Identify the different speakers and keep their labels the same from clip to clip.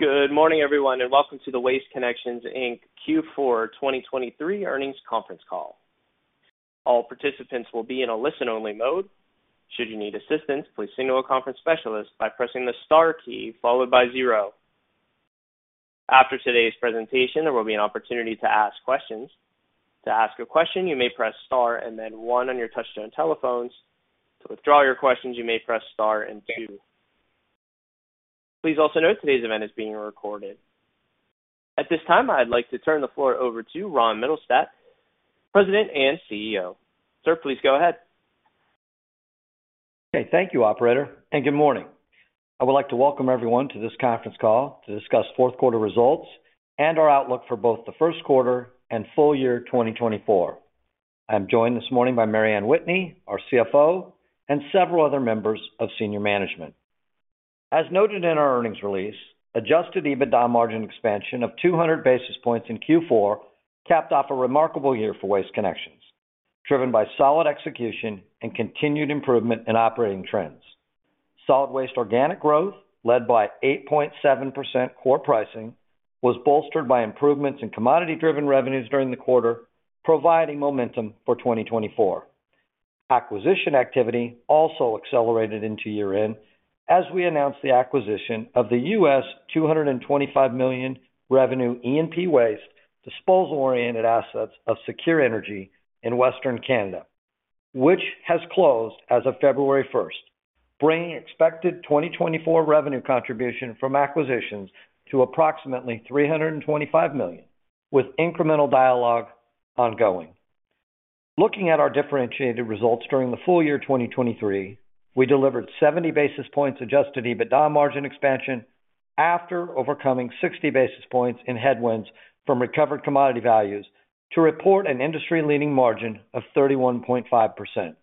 Speaker 1: Good morning, everyone, and welcome to the Waste Connections Inc Q4 2023 Earnings Conference Call. All participants will be in a listen-only mode. Should you need assistance, please signal a conference specialist by pressing the star key followed by zero. After today's presentation, there will be an opportunity to ask questions. To ask a question, you may press star and then one on your touch-tone telephones. To withdraw your questions, you may press star and two. Please also note today's event is being recorded. At this time, I'd like to turn the floor over to Ron Mittelstaedt, President and CEO. Sir, please go ahead.
Speaker 2: Okay, thank you, operator, and good morning. I would like to welcome everyone to this conference call to discuss fourth quarter results and our outlook for both the first quarter and full year 2024. I'm joined this morning by Mary Anne Whitney, our CFO, and several other members of senior management. As noted in our earnings release, Adjusted EBITDA margin expansion of 200 basis points in Q4 capped off a remarkable year for Waste Connections, driven by solid execution and continued improvement in operating trends. Solid waste organic growth, led by 8.7% core pricing, was bolstered by improvements in commodity-driven revenues during the quarter, providing momentum for 2024. Acquisition activity also accelerated into year-end as we announced the acquisition of the $225 million revenue E&P waste disposal-oriented assets of SECURE Energy in Western Canada, which has closed as of February 1st, bringing expected 2024 revenue contribution from acquisitions to approximately $325 million, with incremental dialogue ongoing. Looking at our differentiated results during the full year 2023, we delivered 70 basis points Adjusted EBITDA margin expansion after overcoming 60 basis points in headwinds from recovered commodity values to report an industry-leading margin of 31.5%.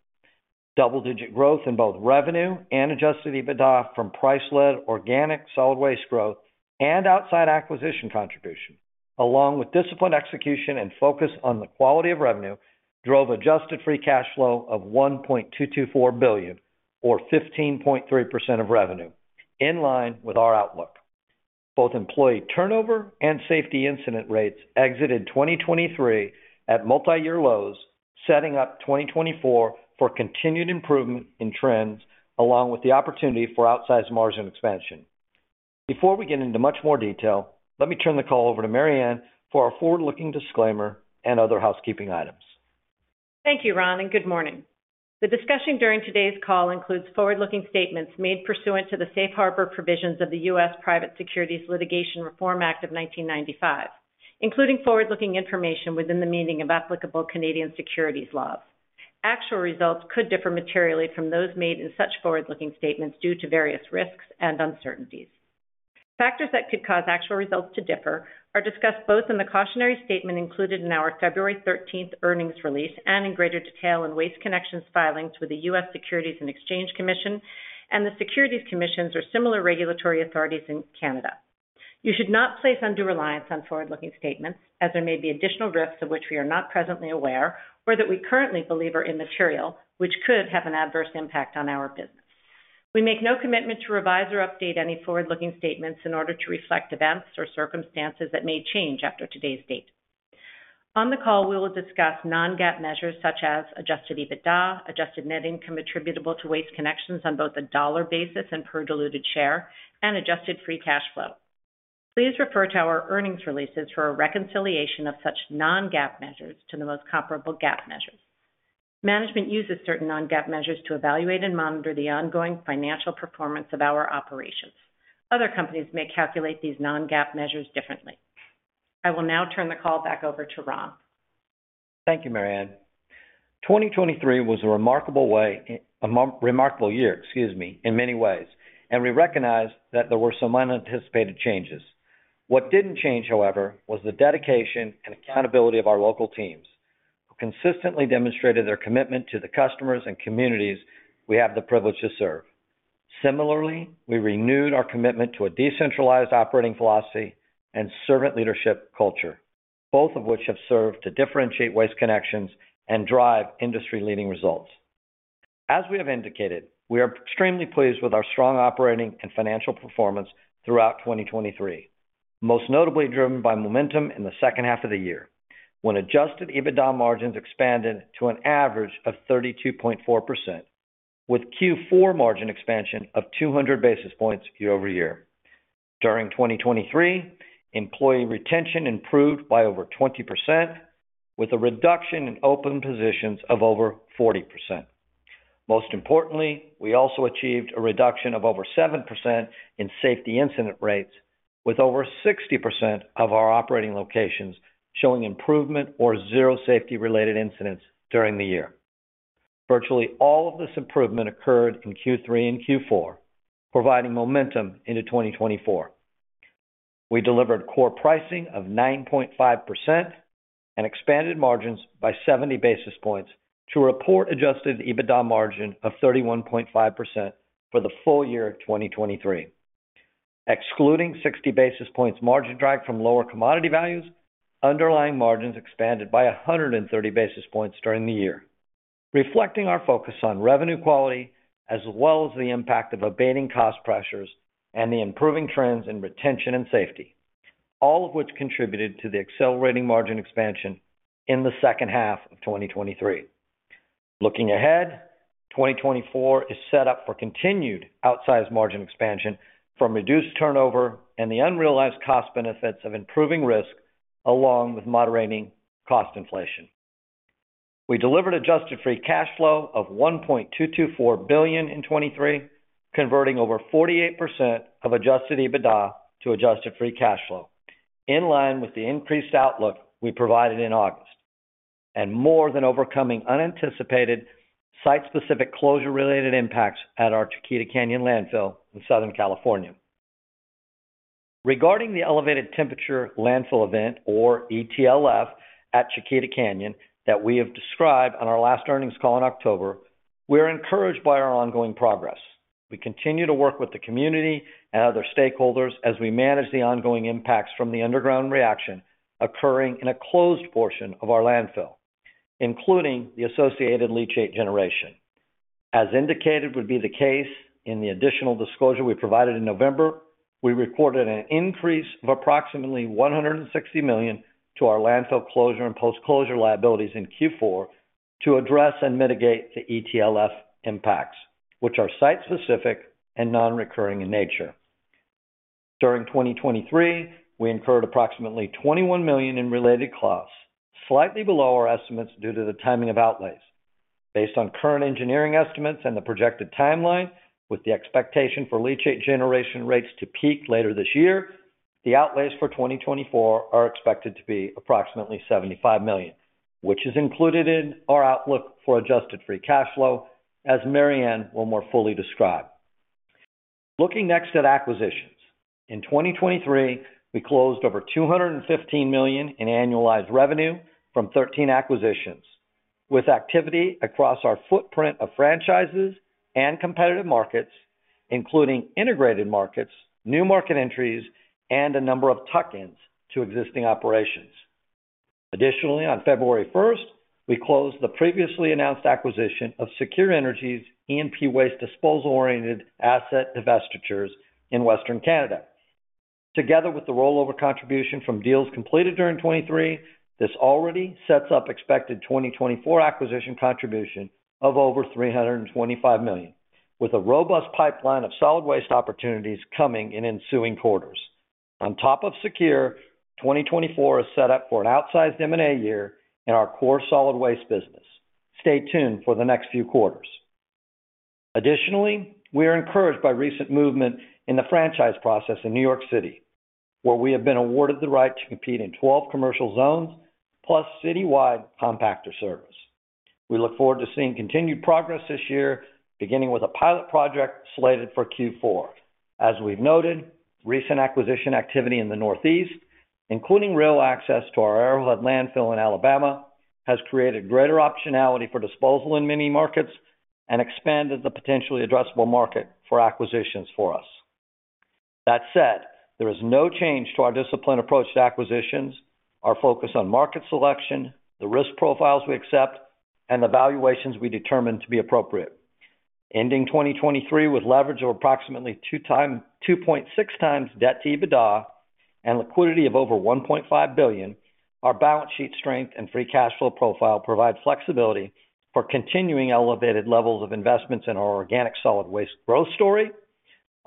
Speaker 2: Double-digit growth in both revenue and Adjusted EBITDA from price-led organic solid waste growth and outside acquisition contribution, along with disciplined execution and focus on the quality of revenue, drove Adjusted Free Cash Flow of $1.224 billion, or 15.3% of revenue, in line with our outlook. Both employee turnover and safety incident rates exited 2023 at multi-year lows, setting up 2024 for continued improvement in trends along with the opportunity for outsized margin expansion. Before we get into much more detail, let me turn the call over to Mary Anne for our forward-looking disclaimer and other housekeeping items.
Speaker 3: Thank you, Ron, and good morning. The discussion during today's call includes forward-looking statements made pursuant to the Safe Harbor provisions of the U.S. Private Securities Litigation Reform Act of 1995, including forward-looking information within the meaning of applicable Canadian securities laws. Actual results could differ materially from those made in such forward-looking statements due to various risks and uncertainties. Factors that could cause actual results to differ are discussed both in the cautionary statement included in our February 13th earnings release and in greater detail in Waste Connections filings with the U.S. Securities and Exchange Commission, and the Securities Commissions are similar regulatory authorities in Canada. You should not place undue reliance on forward-looking statements, as there may be additional risks of which we are not presently aware or that we currently believe are immaterial, which could have an adverse impact on our business. We make no commitment to revise or update any forward-looking statements in order to reflect events or circumstances that may change after today's date. On the call, we will discuss non-GAAP measures such as Adjusted EBITDA, Adjusted Net Income attributable to Waste Connections on both a dollar basis and per diluted share, and Adjusted Free Cash Flow. Please refer to our earnings releases for a reconciliation of such non-GAAP measures to the most comparable GAAP measures. Management uses certain non-GAAP measures to evaluate and monitor the ongoing financial performance of our operations. Other companies may calculate these non-GAAP measures differently. I will now turn the call back over to Ron.
Speaker 2: Thank you, Mary Anne. 2023 was a remarkable year, excuse me, in many ways, and we recognize that there were some unanticipated changes. What didn't change, however, was the dedication and accountability of our local teams, who consistently demonstrated their commitment to the customers and communities we have the privilege to serve. Similarly, we renewed our commitment to a decentralized operating philosophy and servant leadership culture, both of which have served to differentiate Waste Connections and drive industry-leading results. As we have indicated, we are extremely pleased with our strong operating and financial performance throughout 2023, most notably driven by momentum in the second half of the year, when adjusted EBITDA margins expanded to an average of 32.4%, with Q4 margin expansion of 200 basis points year-over-year. During 2023, employee retention improved by over 20%, with a reduction in open positions of over 40%. Most importantly, we also achieved a reduction of over 7% in safety incident rates, with over 60% of our operating locations showing improvement or zero safety-related incidents during the year. Virtually all of this improvement occurred in Q3 and Q4, providing momentum into 2024. We delivered Core Pricing of 9.5% and expanded margins by 70 basis points to report Adjusted EBITDA margin of 31.5% for the full year 2023, excluding 60 basis points margin drag from lower commodity values, underlying margins expanded by 130 basis points during the year, reflecting our focus on revenue quality as well as the impact of abating cost pressures and the improving trends in retention and safety, all of which contributed to the accelerating margin expansion in the second half of 2023. Looking ahead, 2024 is set up for continued outsized margin expansion from reduced turnover and the unrealized cost benefits of improving risk along with moderating cost inflation. We delivered adjusted free cash flow of $1.224 billion in 2023, converting over 48% of adjusted EBITDA to adjusted free cash flow, in line with the increased outlook we provided in August and more than overcoming unanticipated site-specific closure-related impacts at our Chiquita Canyon Landfill in Southern California. Regarding the elevated temperature landfill event, or ETLF, at Chiquita Canyon that we have described on our last earnings call in October, we are encouraged by our ongoing progress. We continue to work with the community and other stakeholders as we manage the ongoing impacts from the underground reaction occurring in a closed portion of our landfill, including the associated leachate generation. As indicated would be the case in the additional disclosure we provided in November, we recorded an increase of approximately $160 million to our landfill closure and post-closure liabilities in Q4 to address and mitigate the ETLF impacts, which are site-specific and non-recurring in nature. During 2023, we incurred approximately $21 million in related costs, slightly below our estimates due to the timing of outlays. Based on current engineering estimates and the projected timeline, with the expectation for leachate generation rates to peak later this year, the outlays for 2024 are expected to be approximately $75 million, which is included in our outlook for Adjusted Free Cash Flow, as Mary Anne will more fully describe. Looking next at acquisitions, in 2023, we closed over $215 million in annualized revenue from 13 acquisitions, with activity across our footprint of franchises and competitive markets, including integrated markets, new market entries, and a number of tuck-ins to existing operations. Additionally, on February 1st, we closed the previously announced acquisition of SECURE Energy's E&P waste disposal-oriented asset divestitures in Western Canada. Together with the rollover contribution from deals completed during 2023, this already sets up expected 2024 acquisition contribution of over $325 million, with a robust pipeline of solid waste opportunities coming in ensuing quarters. On top of SECURE, 2024 is set up for an outsized M&A year in our core solid waste business. Stay tuned for the next few quarters. Additionally, we are encouraged by recent movement in the franchise process in New York City, where we have been awarded the right to compete in 12 commercial zones plus citywide compactor service. We look forward to seeing continued progress this year, beginning with a pilot project slated for Q4. As we've noted, recent acquisition activity in the Northeast, including rail access to our Arrowhead Landfill in Alabama, has created greater optionality for disposal in many markets and expanded the potentially addressable market for acquisitions for us. That said, there is no change to our disciplined approach to acquisitions, our focus on market selection, the risk profiles we accept, and the valuations we determine to be appropriate. Ending 2023 with leverage of approximately 2.6x debt to EBITDA and liquidity of over $1.5 billion, our balance sheet strength and free cash flow profile provide flexibility for continuing elevated levels of investments in our organic solid waste growth story,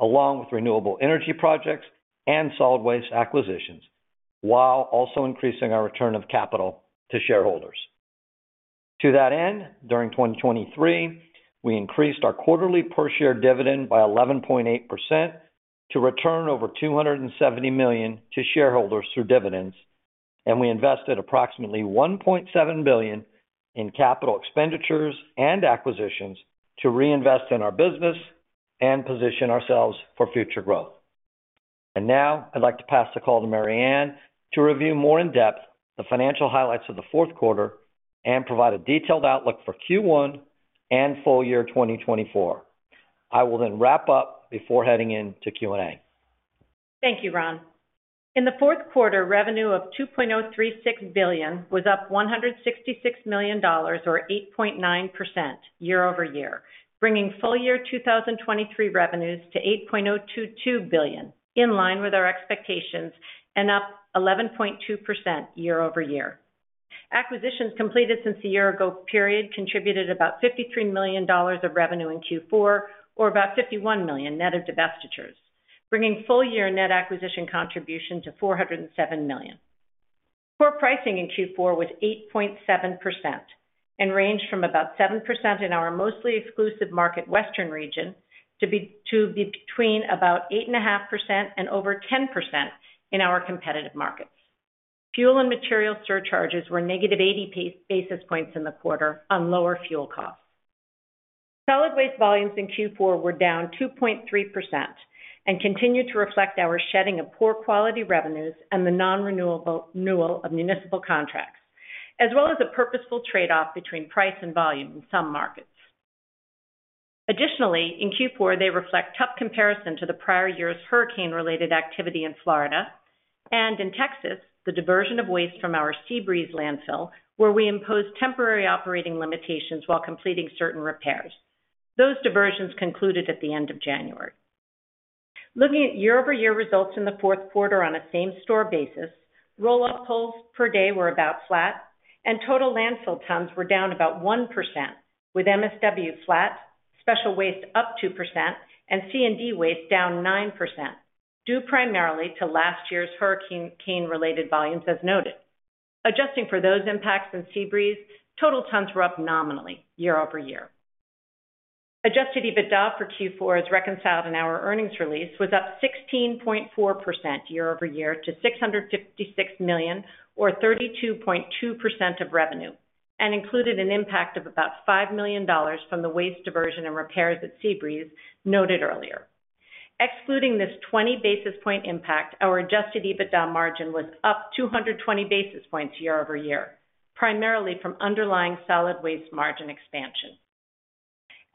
Speaker 2: along with renewable energy projects and solid waste acquisitions, while also increasing our return of capital to shareholders. To that end, during 2023, we increased our quarterly per-share dividend by 11.8% to return over $270 million to shareholders through dividends, and we invested approximately $1.7 billion in capital expenditures and acquisitions to reinvest in our business and position ourselves for future growth. And now, I'd like to pass the call to Mary Anne to review more in-depth the financial highlights of the fourth quarter and provide a detailed outlook for Q1 and full year 2024. I will then wrap up before heading into Q&A.
Speaker 3: Thank you, Ron. In the fourth quarter, revenue of $2.036 billion was up $166 million, or 8.9% year-over-year, bringing full year 2023 revenues to $8.022 billion, in line with our expectations and up 11.2% year-over-year. Acquisitions completed since the year-ago period contributed about $53 million of revenue in Q4, or about $51 million net of divestitures, bringing full year net acquisition contribution to $407 million. Core pricing in Q4 was 8.7% and ranged from about 7% in our mostly exclusive market Western region to be between about 8.5% and over 10% in our competitive markets. Fuel and materials surcharges were negative 80 basis points in the quarter on lower fuel costs. Solid waste volumes in Q4 were down 2.3% and continue to reflect our shedding of poor quality revenues and the non-renewal of municipal contracts, as well as a purposeful trade-off between price and volume in some markets. Additionally, in Q4, they reflect tough comparison to the prior year's hurricane-related activity in Florida and, in Texas, the diversion of waste from our Seabreeze Landfill, where we imposed temporary operating limitations while completing certain repairs. Those diversions concluded at the end of January. Looking at year-over-year results in the fourth quarter on a same-store basis, roll-off pulls per day were about flat, and total landfill tons were down about 1%, with MSW flat, special waste up 2%, and C&D waste down 9%, due primarily to last year's hurricane-related volumes as noted. Adjusting for those impacts in Seabreeze, total tons were up nominally year-over-year. Adjusted EBITDA for Q4, as reconciled in our earnings release, was up 16.4% year-over-year to $656 million, or 32.2% of revenue, and included an impact of about $5 million from the waste diversion and repairs at Seabreeze noted earlier. Excluding this 20 basis point impact, our adjusted EBITDA margin was up 220 basis points year-over-year, primarily from underlying solid waste margin expansion.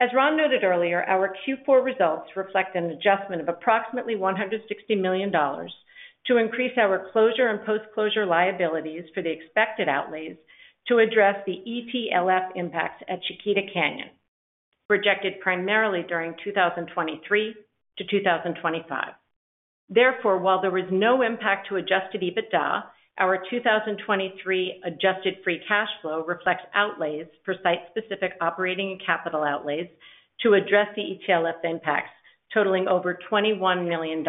Speaker 3: As Ron noted earlier, our Q4 results reflect an adjustment of approximately $160 million to increase our closure and post-closure liabilities for the expected outlays to address the ETLF impacts at Chiquita Canyon, projected primarily during 2023 to 2025. Therefore, while there was no impact to adjusted EBITDA, our 2023 adjusted free cash flow reflects outlays for site-specific operating and capital outlays to address the ETLF impacts, totaling over $21 million.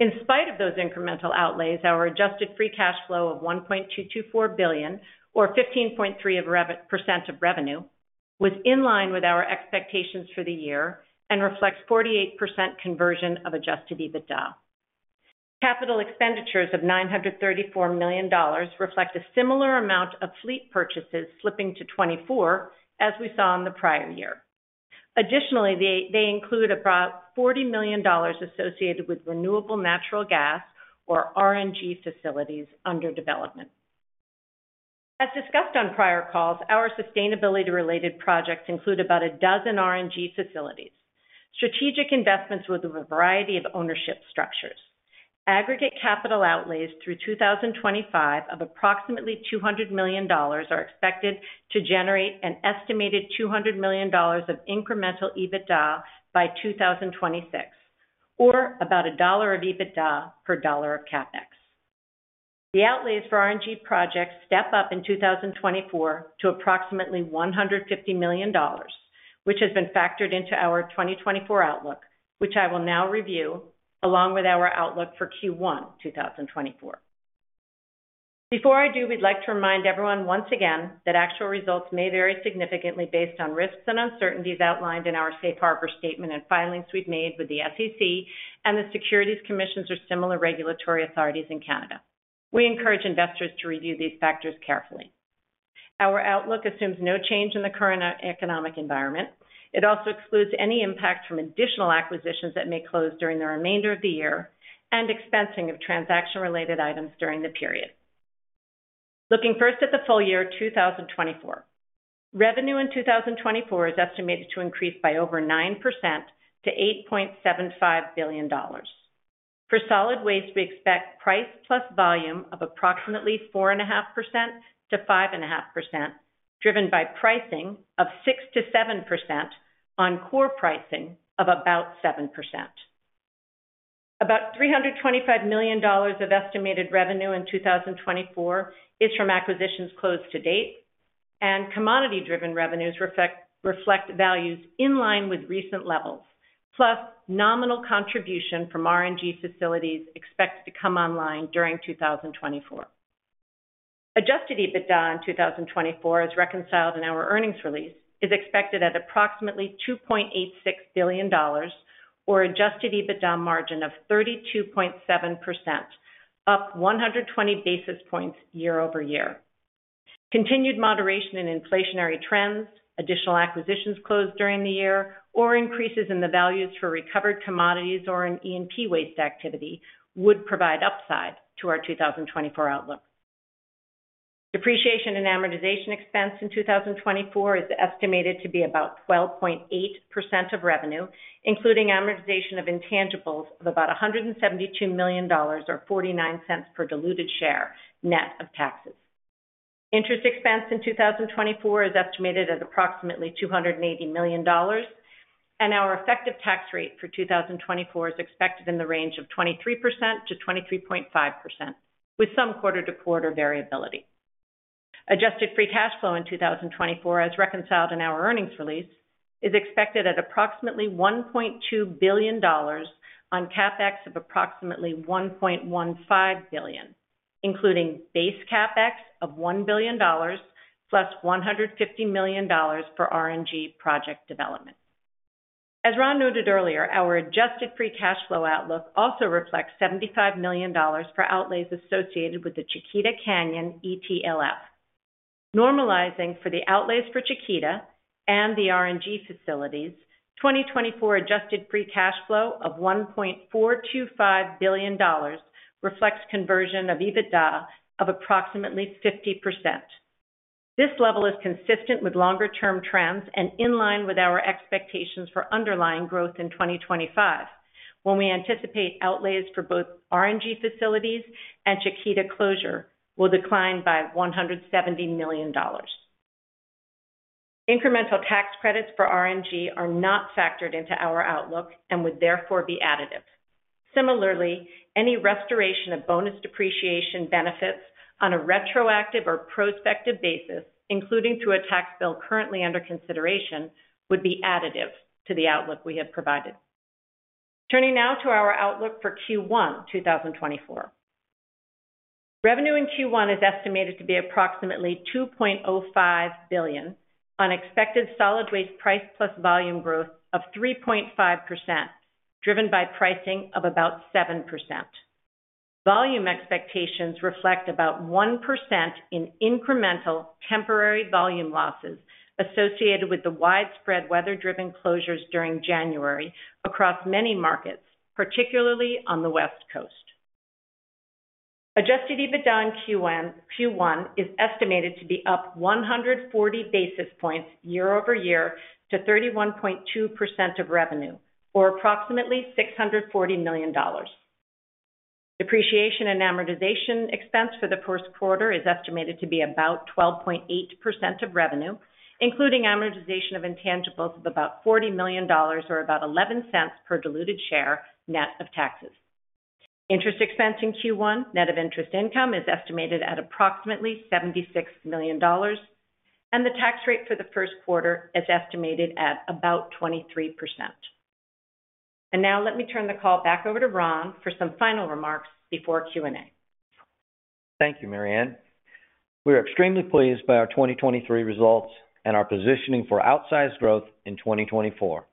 Speaker 3: In spite of those incremental outlays, our adjusted free cash flow of $1.224 billion, or 15.3% of revenue, was in line with our expectations for the year and reflects 48% conversion of adjusted EBITDA. Capital expenditures of $934 million reflect a similar amount of fleet purchases slipping to 2024, as we saw in the prior year. Additionally, they include about $40 million associated with renewable natural gas, or RNG, facilities under development. As discussed on prior calls, our sustainability-related projects include about a dozen RNG facilities, strategic investments with a variety of ownership structures. Aggregate capital outlays through 2025 of approximately $200 million are expected to generate an estimated $200 million of incremental EBITDA by 2026, or about a dollar of EBITDA per dollar of CapEx. The outlays for RNG projects step up in 2024 to approximately $150 million, which has been factored into our 2024 outlook, which I will now review along with our outlook for Q1 2024. Before I do, we'd like to remind everyone once again that actual results may vary significantly based on risks and uncertainties outlined in our Safe Harbor statement and filings we've made with the SEC and the Securities Commissions or similar regulatory authorities in Canada. We encourage investors to review these factors carefully. Our outlook assumes no change in the current economic environment. It also excludes any impact from additional acquisitions that may close during the remainder of the year and expensing of transaction-related items during the period. Looking first at the full year 2024, revenue in 2024 is estimated to increase by over 9% to $8.75 billion. For solid waste, we expect price plus volume of approximately 4.5%-5.5%, driven by pricing of 6%-7% on core pricing of about 7%. About $325 million of estimated revenue in 2024 is from acquisitions closed to date, and commodity-driven revenues reflect values in line with recent levels, plus nominal contribution from RNG facilities expected to come online during 2024. Adjusted EBITDA in 2024, as reconciled in our earnings release, is expected at approximately $2.86 billion, or adjusted EBITDA margin of 32.7%, up 120 basis points year-over-year. Continued moderation in inflationary trends, additional acquisitions closed during the year, or increases in the values for recovered commodities or in E&P waste activity would provide upside to our 2024 outlook. Depreciation and amortization expense in 2024 is estimated to be about 12.8% of revenue, including amortization of intangibles of about $172 million, or $0.49 per diluted share net of taxes. Interest expense in 2024 is estimated at approximately $280 million, and our effective tax rate for 2024 is expected in the range of 23%-23.5%, with some quarter-to-quarter variability. Adjusted free cash flow in 2024, as reconciled in our earnings release, is expected at approximately $1.2 billion on CapEx of approximately $1.15 billion, including base CapEx of $1 billion plus $150 million for RNG project development. As Ron noted earlier, our adjusted free cash flow outlook also reflects $75 million for outlays associated with the Chiquita Canyon ETLF. Normalizing for the outlays for Chiquita and the RNG facilities, 2024 adjusted free cash flow of $1.425 billion reflects conversion of EBITDA of approximately 50%. This level is consistent with longer-term trends and in line with our expectations for underlying growth in 2025, when we anticipate outlays for both RNG facilities and Chiquita closure will decline by $170 million. Incremental tax credits for RNG are not factored into our outlook and would therefore be additive. Similarly, any restoration of bonus depreciation benefits on a retroactive or prospective basis, including through a tax bill currently under consideration, would be additive to the outlook we have provided. Turning now to our outlook for Q1 2024, revenue in Q1 is estimated to be approximately $2.05 billion on expected solid waste price plus volume growth of 3.5%, driven by pricing of about 7%. Volume expectations reflect about 1% in incremental temporary volume losses associated with the widespread weather-driven closures during January across many markets, particularly on the West Coast. Adjusted EBITDA in Q1 is estimated to be up 140 basis points year-over-year to 31.2% of revenue, or approximately $640 million. Depreciation and amortization expense for the first quarter is estimated to be about 12.8% of revenue, including amortization of intangibles of about $40 million, or about $0.11 per diluted share net of taxes. Interest expense in Q1 net of interest income is estimated at approximately $76 million, and the tax rate for the first quarter is estimated at about 23%. Now, let me turn the call back over to Ron for some final remarks before Q&A.
Speaker 2: Thank you, Mary Anne. We are extremely pleased by our 2023 results and our positioning for outsized growth in 2024,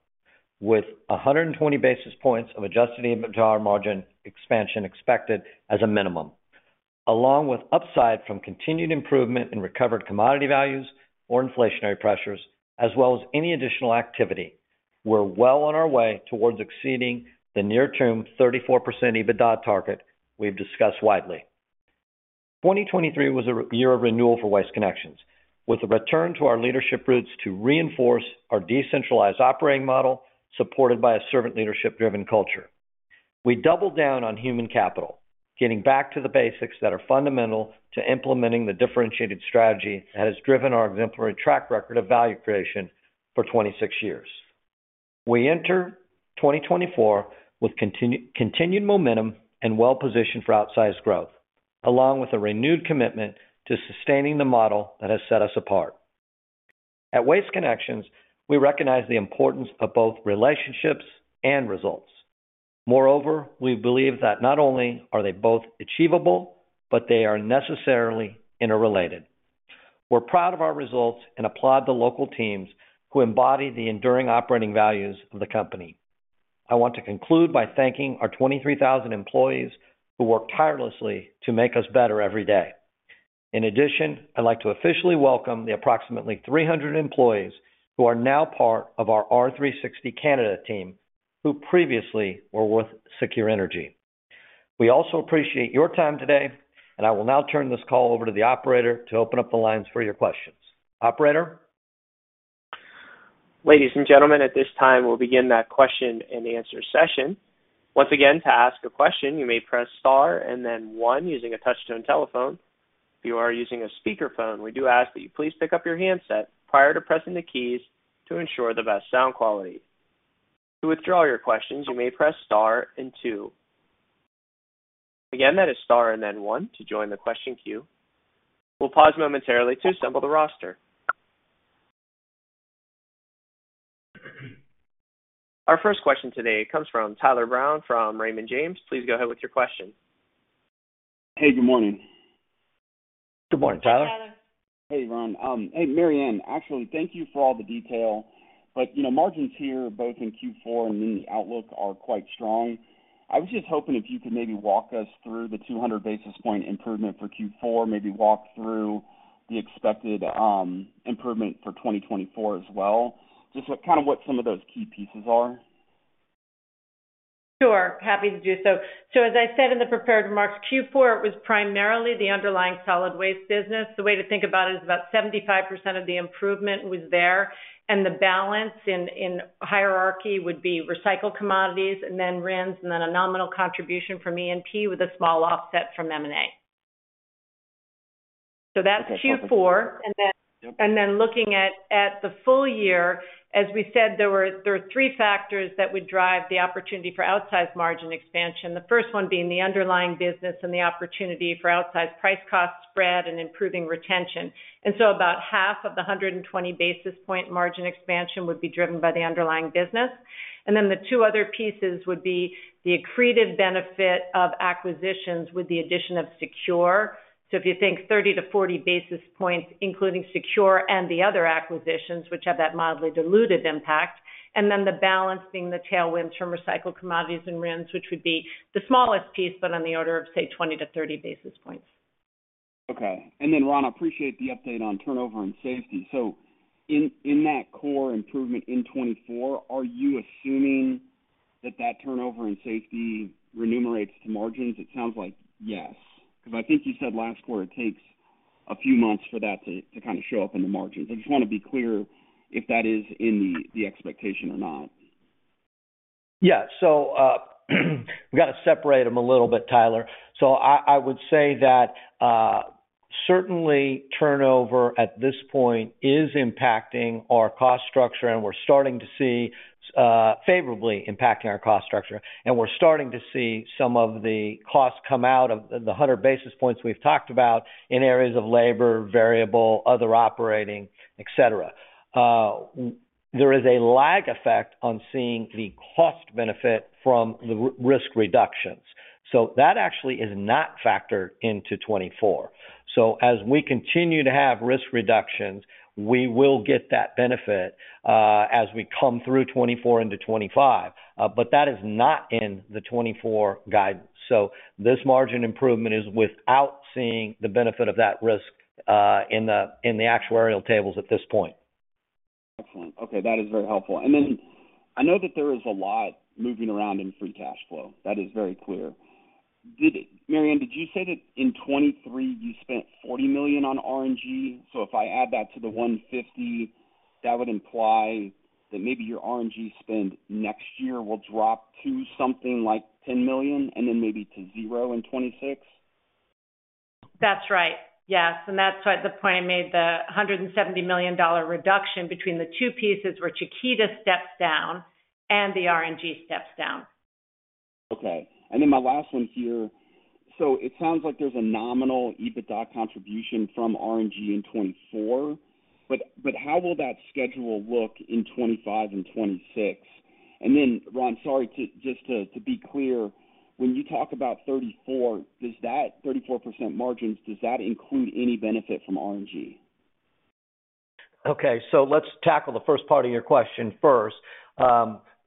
Speaker 2: with 120 basis points of Adjusted EBITDA margin expansion expected as a minimum. Along with upside from continued improvement in recovered commodity values or inflationary pressures, as well as any additional activity, we're well on our way towards exceeding the near-term 34% EBITDA target we've discussed widely. 2023 was a year of renewal for Waste Connections, with a return to our leadership roots to reinforce our decentralized operating model supported by a servant leadership-driven culture. We doubled down on human capital, getting back to the basics that are fundamental to implementing the differentiated strategy that has driven our exemplary track record of value creation for 26 years. We enter 2024 with continued momentum and well-positioned for outsized growth, along with a renewed commitment to sustaining the model that has set us apart. At Waste Connections, we recognize the importance of both relationships and results. Moreover, we believe that not only are they both achievable, but they are necessarily interrelated. We're proud of our results and applaud the local teams who embody the enduring operating values of the company. I want to conclude by thanking our 23,000 employees who work tirelessly to make us better every day. In addition, I'd like to officially welcome the approximately 300 employees who are now part of our R360 Canada team who previously were with SECURE Energy. We also appreciate your time today, and I will now turn this call over to the operator to open up the lines for your questions. Operator?
Speaker 1: Ladies and gentlemen, at this time, we'll begin that question and answer session. Once again, to ask a question, you may press star and then one using a touch-tone telephone. If you are using a speakerphone, we do ask that you please pick up your handset prior to pressing the keys to ensure the best sound quality. To withdraw your questions, you may press star and two. Again, that is star and then one to join the question queue. We'll pause momentarily to assemble the roster. Our first question today comes from Tyler Brown from Raymond James. Please go ahead with your question.
Speaker 4: Hey, good morning.
Speaker 2: Good morning, Tyler.
Speaker 3: Hey, Tyler.
Speaker 4: Hey, Ron. Hey, Mary Anne. Actually, thank you for all the detail, but margins here both in Q4 and in the outlook are quite strong. I was just hoping if you could maybe walk us through the 200 basis point improvement for Q4, maybe walk through the expected improvement for 2024 as well, just kind of what some of those key pieces are.
Speaker 3: Sure. Happy to do so. So as I said in the prepared remarks, Q4 was primarily the underlying solid waste business. The way to think about it is about 75% of the improvement was there, and the balance in hierarchy would be recycled commodities and then RINs and then a nominal contribution from E&P with a small offset from M&A. So that's Q4. And then looking at the full year, as we said, there are three factors that would drive the opportunity for outsized margin expansion, the first one being the underlying business and the opportunity for outsized price-cost spread and improving retention. And then the two other pieces would be the accretive benefit of acquisitions with the addition of SECURE. If you think 30-40 basis points, including SECURE and the other acquisitions, which have that mildly diluted impact, and then the balance being the tailwinds from recycled commodities and RINs, which would be the smallest piece, but on the order of, say, 20-30 basis points.
Speaker 4: Okay. And then, Ron, I appreciate the update on turnover and safety. So in that core improvement in 2024, are you assuming that safety remunerates to margins? It sounds like, yes, because I think you said last quarter it takes a few months for that to kind of show up in the margins. I just want to be clear if that is in the expectation or not?
Speaker 2: Yeah. So we've got to separate them a little bit, Tyler. So I would say that certainly turnover at this point is impacting our cost structure, and we're starting to see favorably impacting our cost structure. And we're starting to see some of the costs come out of the 100 basis points we've talked about in areas of labor, variable, other operating, etc. There is a lag effect on seeing the cost benefit from the risk reductions. So that actually is not factored into 2024. So as we continue to have risk reductions, we will get that benefit as we come through 2024 into 2025, but that is not in the 2024 guidance. So this margin improvement is without seeing the benefit of that risk in the actuarial tables at this point.
Speaker 4: Excellent. Okay. That is very helpful. Then I know that there is a lot moving around in free cash flow. That is very clear. Mary Anne, did you say that in 2023 you spent $40 million on RNG? So if I add that to the $150 million, that would imply that maybe your RNG spend next year will drop to something like $10 million and then maybe to 0 in 2026?
Speaker 3: That's right. Yes. That's the point I made. The $170 million reduction between the two pieces where Chiquita steps down and the RNG steps down.
Speaker 4: Okay. And then my last one here, so it sounds like there's a nominal EBITDA contribution from RNG in 2024, but how will that schedule look in 2025 and 2026? And then, Ron, sorry, just to be clear, when you talk about 2034, does that 34% margins, does that include any benefit from RNG?
Speaker 2: Okay. So let's tackle the first part of your question first.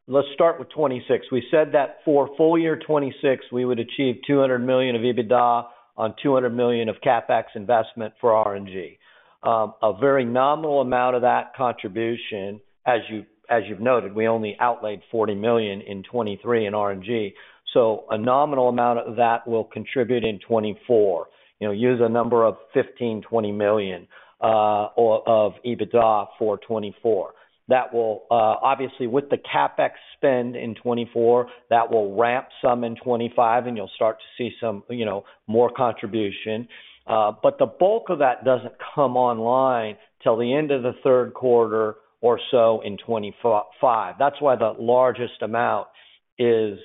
Speaker 2: Let's start with 2026. We said that for full year 2026, we would achieve $200 million of EBITDA on $200 million of CapEx investment for RNG. A very nominal amount of that contribution, as you've noted, we only outlaid $40 million in 2023 in RNG. So a nominal amount of that will contribute in 2024, use a number of $15-$20 million of EBITDA for 2024. Obviously, with the CapEx spend in 2024, that will ramp some in 2025, and you'll start to see some more contribution. But the bulk of that doesn't come online till the end of the third quarter or so in 2025. That's why the largest amount is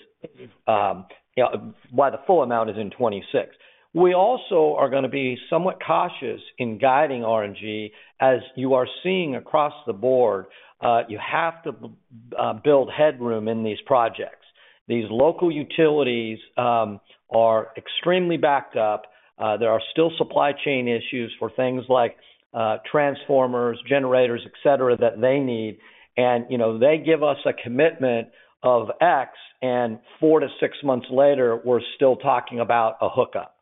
Speaker 2: why the full amount is in 2026. We also are going to be somewhat cautious in guiding RNG. As you are seeing across the board, you have to build headroom in these projects. These local utilities are extremely backed up. There are still supply chain issues for things like transformers, generators, etc., that they need. And they give us a commitment of X, and 4-6 months later, we're still talking about a hookup.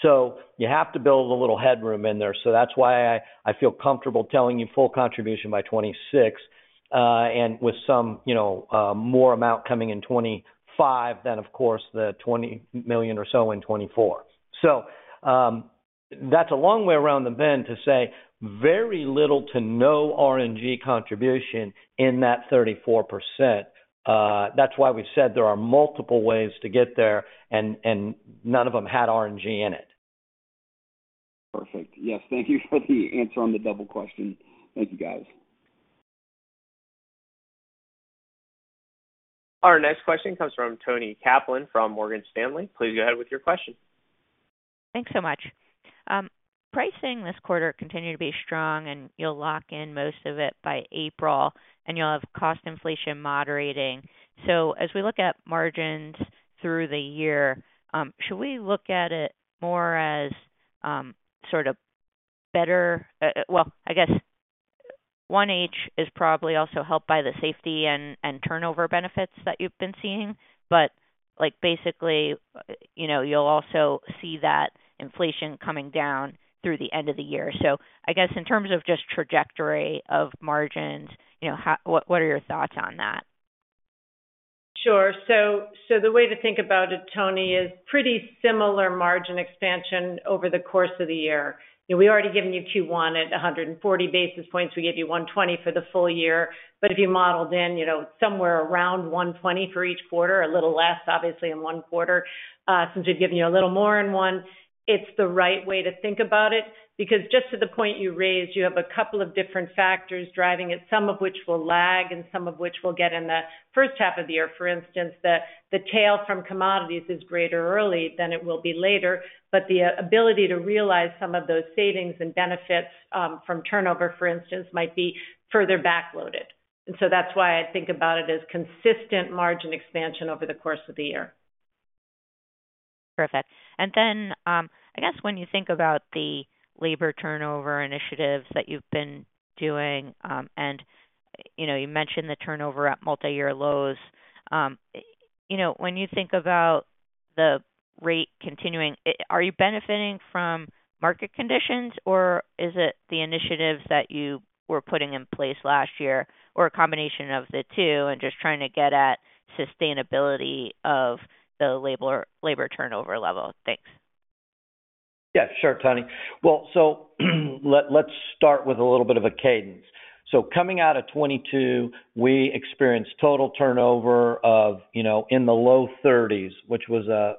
Speaker 2: So you have to build a little headroom in there. So that's why I feel comfortable telling you full contribution by 2026 and with some more amount coming in 2025 than, of course, the $20 million or so in 2024. So that's a long way around the bend to say very little to no RNG contribution in that 34%. That's why we've said there are multiple ways to get there, and none of them had RNG in it.
Speaker 4: Perfect. Yes. Thank you for the answer on the double question. Thank you, guys.
Speaker 1: Our next question comes from Toni Kaplan from Morgan Stanley. Please go ahead with your question.
Speaker 5: Thanks so much. Pricing this quarter continued to be strong, and you'll lock in most of it by April, and you'll have cost inflation moderating. So as we look at margins through the year, should we look at it more as sort of better? Well, I guess 1H is probably also helped by the safety and turnover benefits that you've been seeing. But basically, you'll also see that inflation coming down through the end of the year. So I guess in terms of just trajectory of margins, what are your thoughts on that?
Speaker 3: Sure. So the way to think about it, Toni, is pretty similar margin expansion over the course of the year. We already given you Q1 at 140 basis points. We gave you 120 for the full year. But if you modeled in somewhere around 120 for each quarter, a little less, obviously, in one quarter since we've given you a little more in one, it's the right way to think about it. Because just to the point you raised, you have a couple of different factors driving it, some of which will lag and some of which will get in the first half of the year. For instance, the tail from commodities is greater early than it will be later, but the ability to realize some of those savings and benefits from turnover, for instance, might be further backloaded. That's why I think about it as consistent margin expansion over the course of the year.
Speaker 5: Perfect. I guess when you think about the labor turnover initiatives that you've been doing, and you mentioned the turnover at multi-year lows, when you think about the rate continuing, are you benefiting from market conditions, or is it the initiatives that you were putting in place last year or a combination of the two and just trying to get at sustainability of the labor turnover level? Thanks.
Speaker 2: Yeah. Sure, Toni. Well, so let's start with a little bit of a cadence. So coming out of 2022, we experienced total turnover in the low 30s, which was a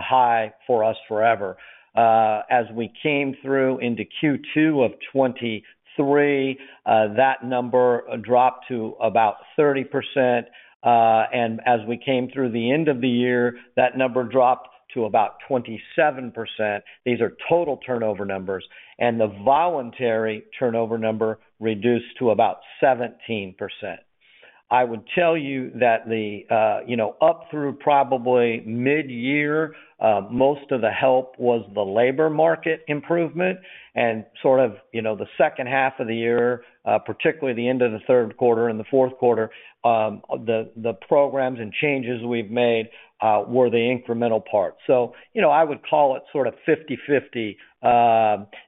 Speaker 2: high for us forever. As we came through into Q2 of 2023, that number dropped to about 30%. And as we came through the end of the year, that number dropped to about 27%. These are total turnover numbers. And the voluntary turnover number reduced to about 17%. I would tell you that up through probably mid-year, most of the help was the labor market improvement. And sort of the second half of the year, particularly the end of the third quarter and the fourth quarter, the programs and changes we've made were the incremental part. So I would call it sort of 50/50.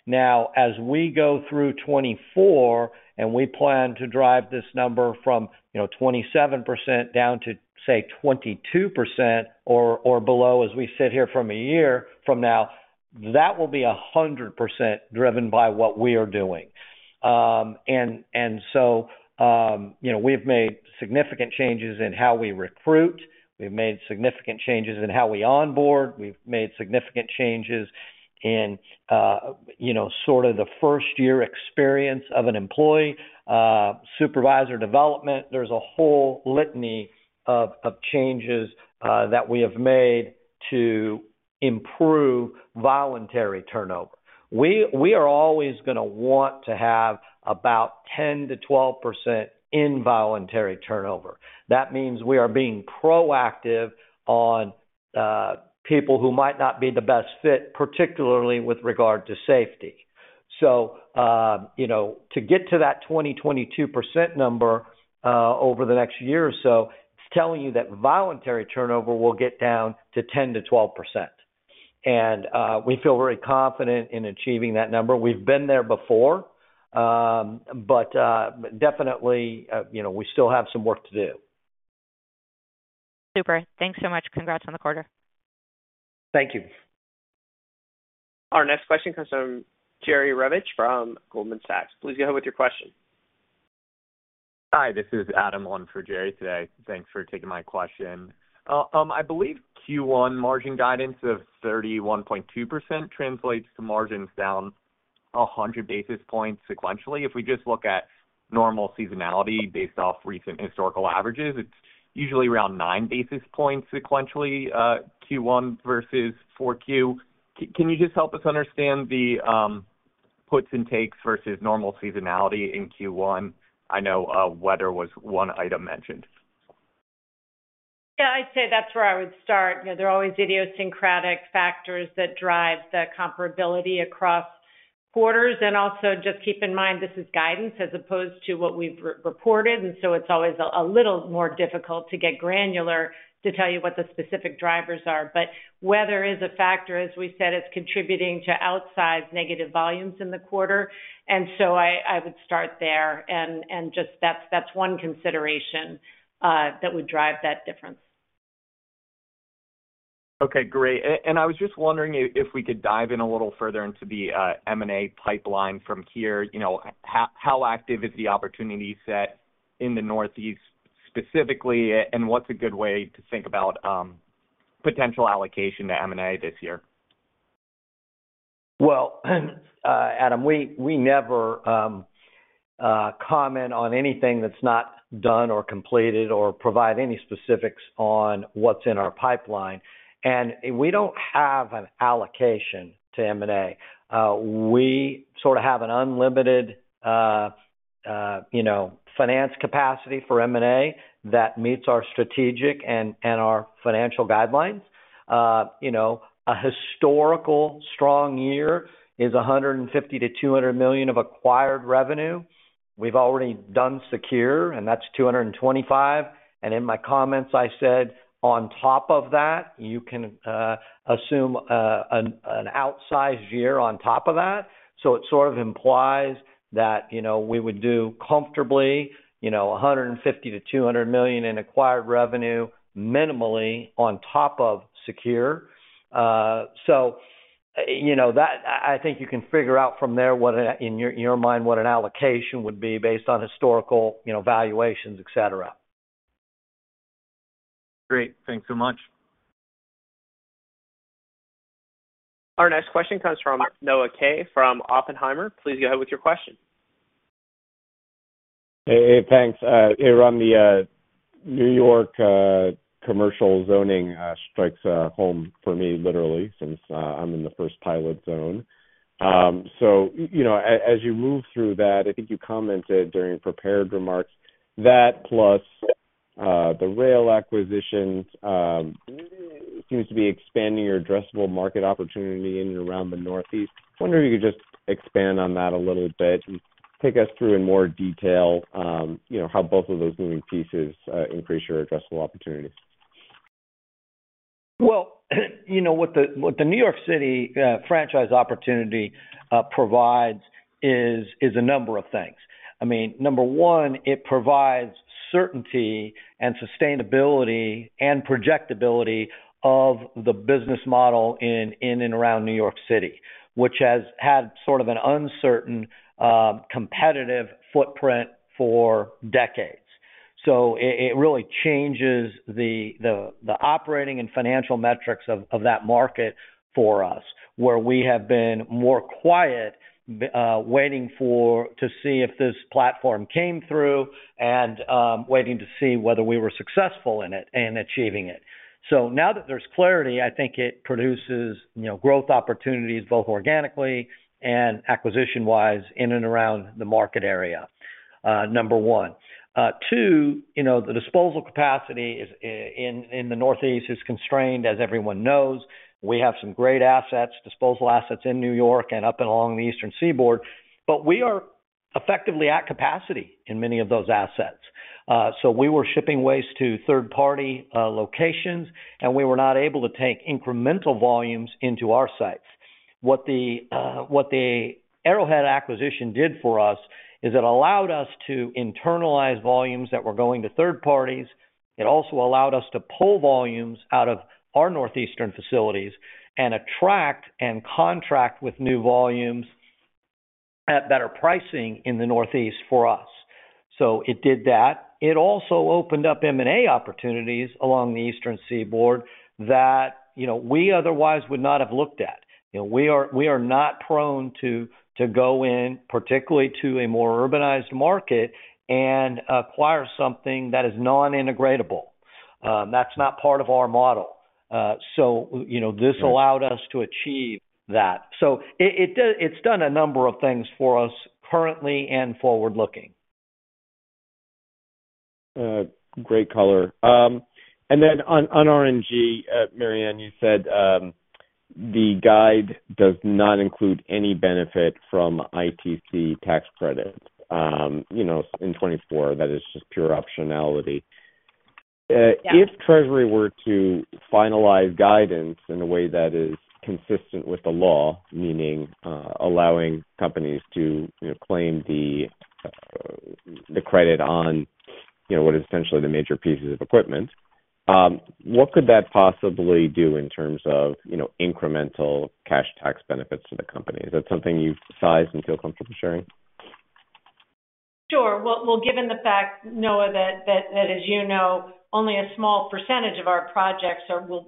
Speaker 2: Now, as we go through 2024 and we plan to drive this number from 27% down to, say, 22% or below as we sit here from a year from now, that will be 100% driven by what we are doing. And so we've made significant changes in how we recruit. We've made significant changes in how we onboard. We've made significant changes in sort of the first-year experience of an employee, supervisor development. There's a whole litany of changes that we have made to improve voluntary turnover. We are always going to want to have about 10%-12% involuntary turnover. That means we are being proactive on people who might not be the best fit, particularly with regard to safety. To get to that 20%-22% number over the next year or so, it's telling you that voluntary turnover will get down to 10%-12%. And we feel very confident in achieving that number. We've been there before, but definitely, we still have some work to do.
Speaker 5: Super. Thanks so much. Congrats on the quarter.
Speaker 2: Thank you.
Speaker 1: Our next question comes from Jerry Revich from Goldman Sachs. Please go ahead with your question.
Speaker 6: Hi. This is Adam on for Jerry today. Thanks for taking my question. I believe Q1 margin guidance of 31.2% translates to margins down 100 basis points sequentially. If we just look at normal seasonality based off recent historical averages, it's usually around 9 basis points sequentially, Q1 versus 4Q. Can you just help us understand the puts and takes versus normal seasonality in Q1? I know weather was one item mentioned.
Speaker 3: Yeah. I'd say that's where I would start. There are always idiosyncratic factors that drive the comparability across quarters. Also just keep in mind, this is guidance as opposed to what we've reported. So it's always a little more difficult to get granular to tell you what the specific drivers are. But weather is a factor. As we said, it's contributing to outsized negative volumes in the quarter. So I would start there. Just that's one consideration that would drive that difference.
Speaker 6: Okay. Great. I was just wondering if we could dive in a little further into the M&A pipeline from here. How active is the opportunity set in the Northeast specifically, and what's a good way to think about potential allocation to M&A this year?
Speaker 2: Well, Adam, we never comment on anything that's not done or completed or provide any specifics on what's in our pipeline. And we don't have an allocation to M&A. We sort of have an unlimited finance capacity for M&A that meets our strategic and our financial guidelines. A historical strong year is $150-$200 million of acquired revenue. We've already done SECURE, and that's $225 million. And in my comments, I said, "On top of that, you can assume an outsized year on top of that." So it sort of implies that we would do comfortably $150-$200 million in acquired revenue minimally on top of SECURE. So I think you can figure out from there, in your mind, what an allocation would be based on historical valuations, etc.
Speaker 1: Great. Thanks so much. Our next question comes from Noah Kaye from Oppenheimer. Please go ahead with your question.
Speaker 7: Hey. Hey. Thanks. The New York commercial zoning strikes home for me, literally, since I'm in the first pilot zone. So as you move through that, I think you commented during prepared remarks that plus the rail acquisition seems to be expanding your addressable market opportunity in and around the Northeast. Wonder if you could just expand on that a little bit and take us through in more detail how both of those moving pieces increase your addressable opportunities.
Speaker 2: Well, what the New York City franchise opportunity provides is a number of things. I mean, number one, it provides certainty and sustainability and projectability of the business model in and around New York City, which has had sort of an uncertain competitive footprint for decades. So it really changes the operating and financial metrics of that market for us, where we have been more quiet waiting to see if this platform came through and waiting to see whether we were successful in it and achieving it. So now that there's clarity, I think it produces growth opportunities both organically and acquisition-wise in and around the market area, number one. Two, the disposal capacity in the Northeast is constrained, as everyone knows. We have some great assets, disposal assets in New York and up and along the Eastern Seaboard, but we are effectively at capacity in many of those assets. So we were shipping waste to third-party locations, and we were not able to take incremental volumes into our sites. What the Arrowhead acquisition did for us is it allowed us to internalize volumes that were going to third parties. It also allowed us to pull volumes out of our northeastern facilities and attract and contract with new volumes at better pricing in the Northeast for us. So it did that. It also opened up M&A opportunities along the Eastern Seaboard that we otherwise would not have looked at. We are not prone to go in, particularly to a more urbanized market, and acquire something that is non-integratable. That's not part of our model. So this allowed us to achieve that. So it's done a number of things for us currently and forward-looking.
Speaker 7: Great color. And then on RNG, Mary Anne, you said the guide does not include any benefit from ITC tax credits in 2024. That is just pure optionality. If Treasury were to finalize guidance in a way that is consistent with the law, meaning allowing companies to claim the credit on what is essentially the major pieces of equipment, what could that possibly do in terms of incremental cash tax benefits to the companies? Is that something you've sized and feel comfortable sharing?
Speaker 3: Sure. Well, given the fact, Noah, that, as you know, only a small percentage of our projects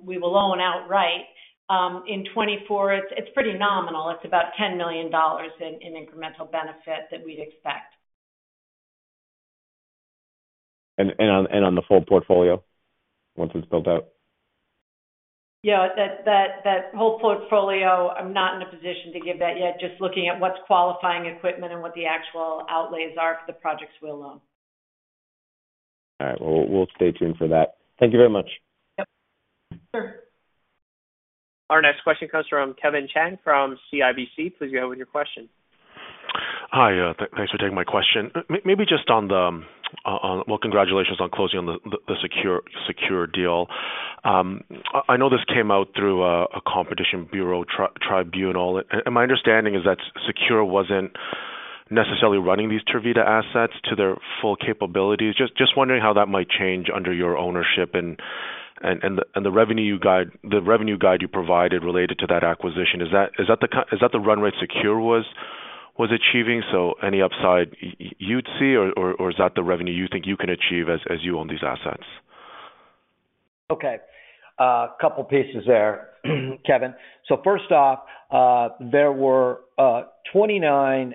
Speaker 3: we will loan outright, in 2024, it's pretty nominal. It's about $10 million in incremental benefit that we'd expect.
Speaker 7: On the full portfolio once it's built out?
Speaker 3: Yeah. That whole portfolio, I'm not in a position to give that yet, just looking at what's qualifying equipment and what the actual outlays are for the projects we'll loan.
Speaker 7: All right. Well, we'll stay tuned for that. Thank you very much.
Speaker 3: Yep. Sure.
Speaker 1: Our next question comes from Kevin Chiang from CIBC. Please go ahead with your question.
Speaker 8: Hi. Thanks for taking my question. Maybe just on the well, congratulations on closing on the SECURE deal. I know this came out through a Competition Bureau tribunal. My understanding is that SECURE wasn't necessarily running these Tervita assets to their full capabilities. Just wondering how that might change under your ownership and the revenue guide you provided related to that acquisition. Is that the run rate SECURE was achieving? So any upside you'd see, or is that the revenue you think you can achieve as you own these assets?
Speaker 2: Okay. A couple pieces there, Kevin. So first off, there were 29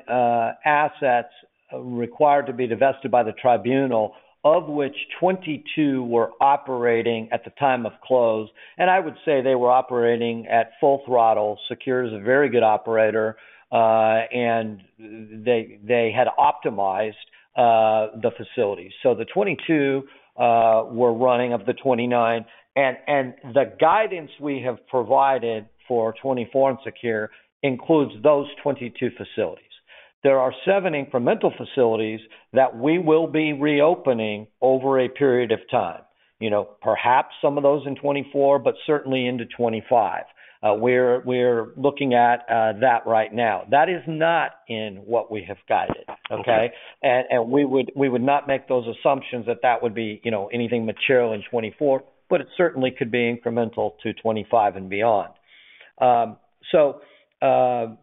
Speaker 2: assets required to be divested by the tribunal, of which 22 were operating at the time of close. And I would say they were operating at full throttle. SECURE is a very good operator, and they had optimized the facilities. So the 22 were running of the 29. And the guidance we have provided for 2024 and SECURE includes those 22 facilities. There are seven incremental facilities that we will be reopening over a period of time, perhaps some of those in 2024, but certainly into 2025. We're looking at that right now. That is not in what we have guided, okay? And we would not make those assumptions that that would be anything material in 2024, but it certainly could be incremental to 2025 and beyond. That's how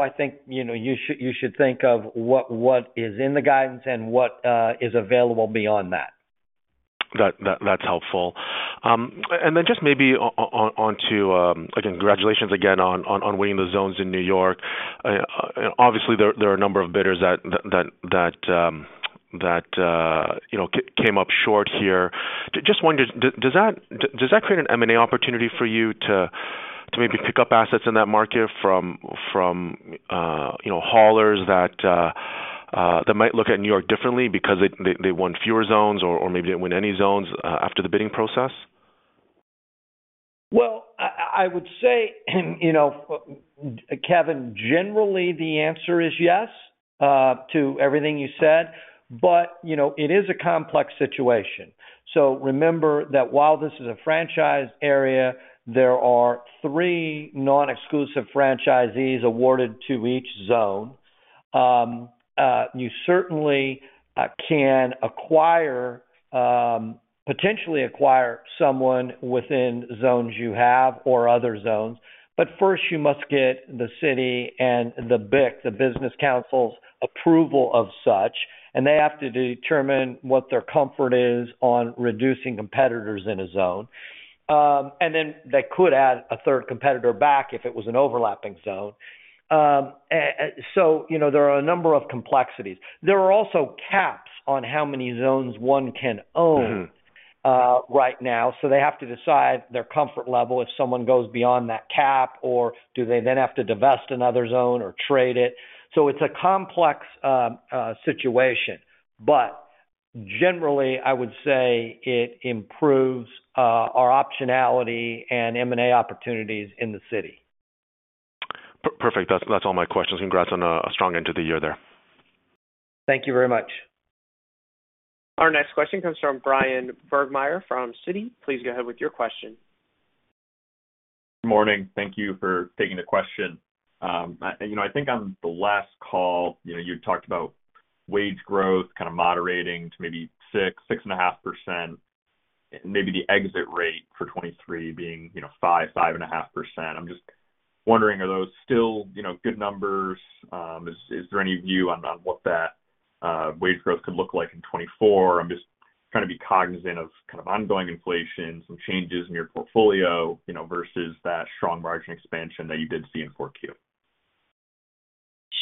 Speaker 2: I think you should think of what is in the guidance and what is available beyond that.
Speaker 8: That's helpful. And then just maybe onto again, congratulations again on winning the zones in New York. Obviously, there are a number of bidders that came up short here. Just wondering, does that create an M&A opportunity for you to maybe pick up assets in that market from haulers that might look at New York differently because they won fewer zones or maybe didn't win any zones after the bidding process?
Speaker 2: Well, I would say, Kevin, generally, the answer is yes to everything you said. But it is a complex situation. So remember that while this is a franchised area, there are three non-exclusive franchisees awarded to each zone. You certainly can potentially acquire someone within zones you have or other zones. But first, you must get the city and the BIC, the Business Integrity Commission's approval of such. And they have to determine what their comfort is on reducing competitors in a zone. And then they could add a third competitor back if it was an overlapping zone. So there are a number of complexities. There are also caps on how many zones one can own right now. So they have to decide their comfort level if someone goes beyond that cap, or do they then have to divest another zone or trade it? So it's a complex situation. Generally, I would say it improves our optionality and M&A opportunities in the city.
Speaker 8: Perfect. That's all my questions. Congrats on a strong end to the year there.
Speaker 2: Thank you very much.
Speaker 1: Our next question comes from Bryan Burgmeier from Citi. Please go ahead with your question.
Speaker 9: Good morning. Thank you for taking the question. I think on the last call, you had talked about wage growth kind of moderating to maybe 6%-6.5%, and maybe the exit rate for 2023 being 5%-5.5%. I'm just wondering, are those still good numbers? Is there any view on what that wage growth could look like in 2024? I'm just trying to be cognizant of kind of ongoing inflation, some changes in your portfolio versus that strong margin expansion that you did see in 4Q.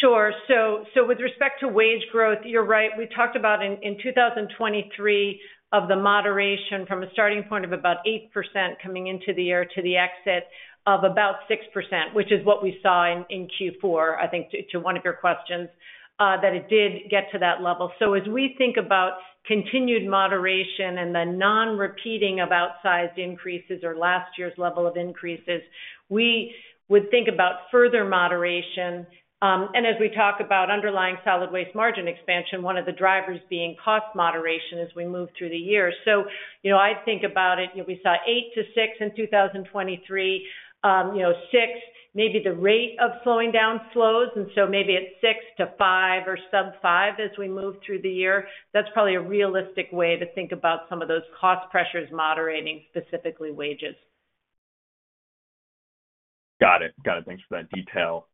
Speaker 3: Sure. So with respect to wage growth, you're right. We talked about, in 2023, of the moderation from a starting point of about 8% coming into the year to the exit of about 6%, which is what we saw in Q4, I think, to one of your questions, that it did get to that level. So as we think about continued moderation and the non-repeating of outsized increases or last year's level of increases, we would think about further moderation. And as we talk about underlying solid waste margin expansion, one of the drivers being cost moderation as we move through the year. So I think about it, we saw 8%-6% in 2023, 6%, maybe the rate of slowing down slows. Maybe at 6-5 or sub-5 as we move through the year, that's probably a realistic way to think about some of those cost pressures moderating, specifically wages.
Speaker 9: Got it. Got it. Thanks for that detail.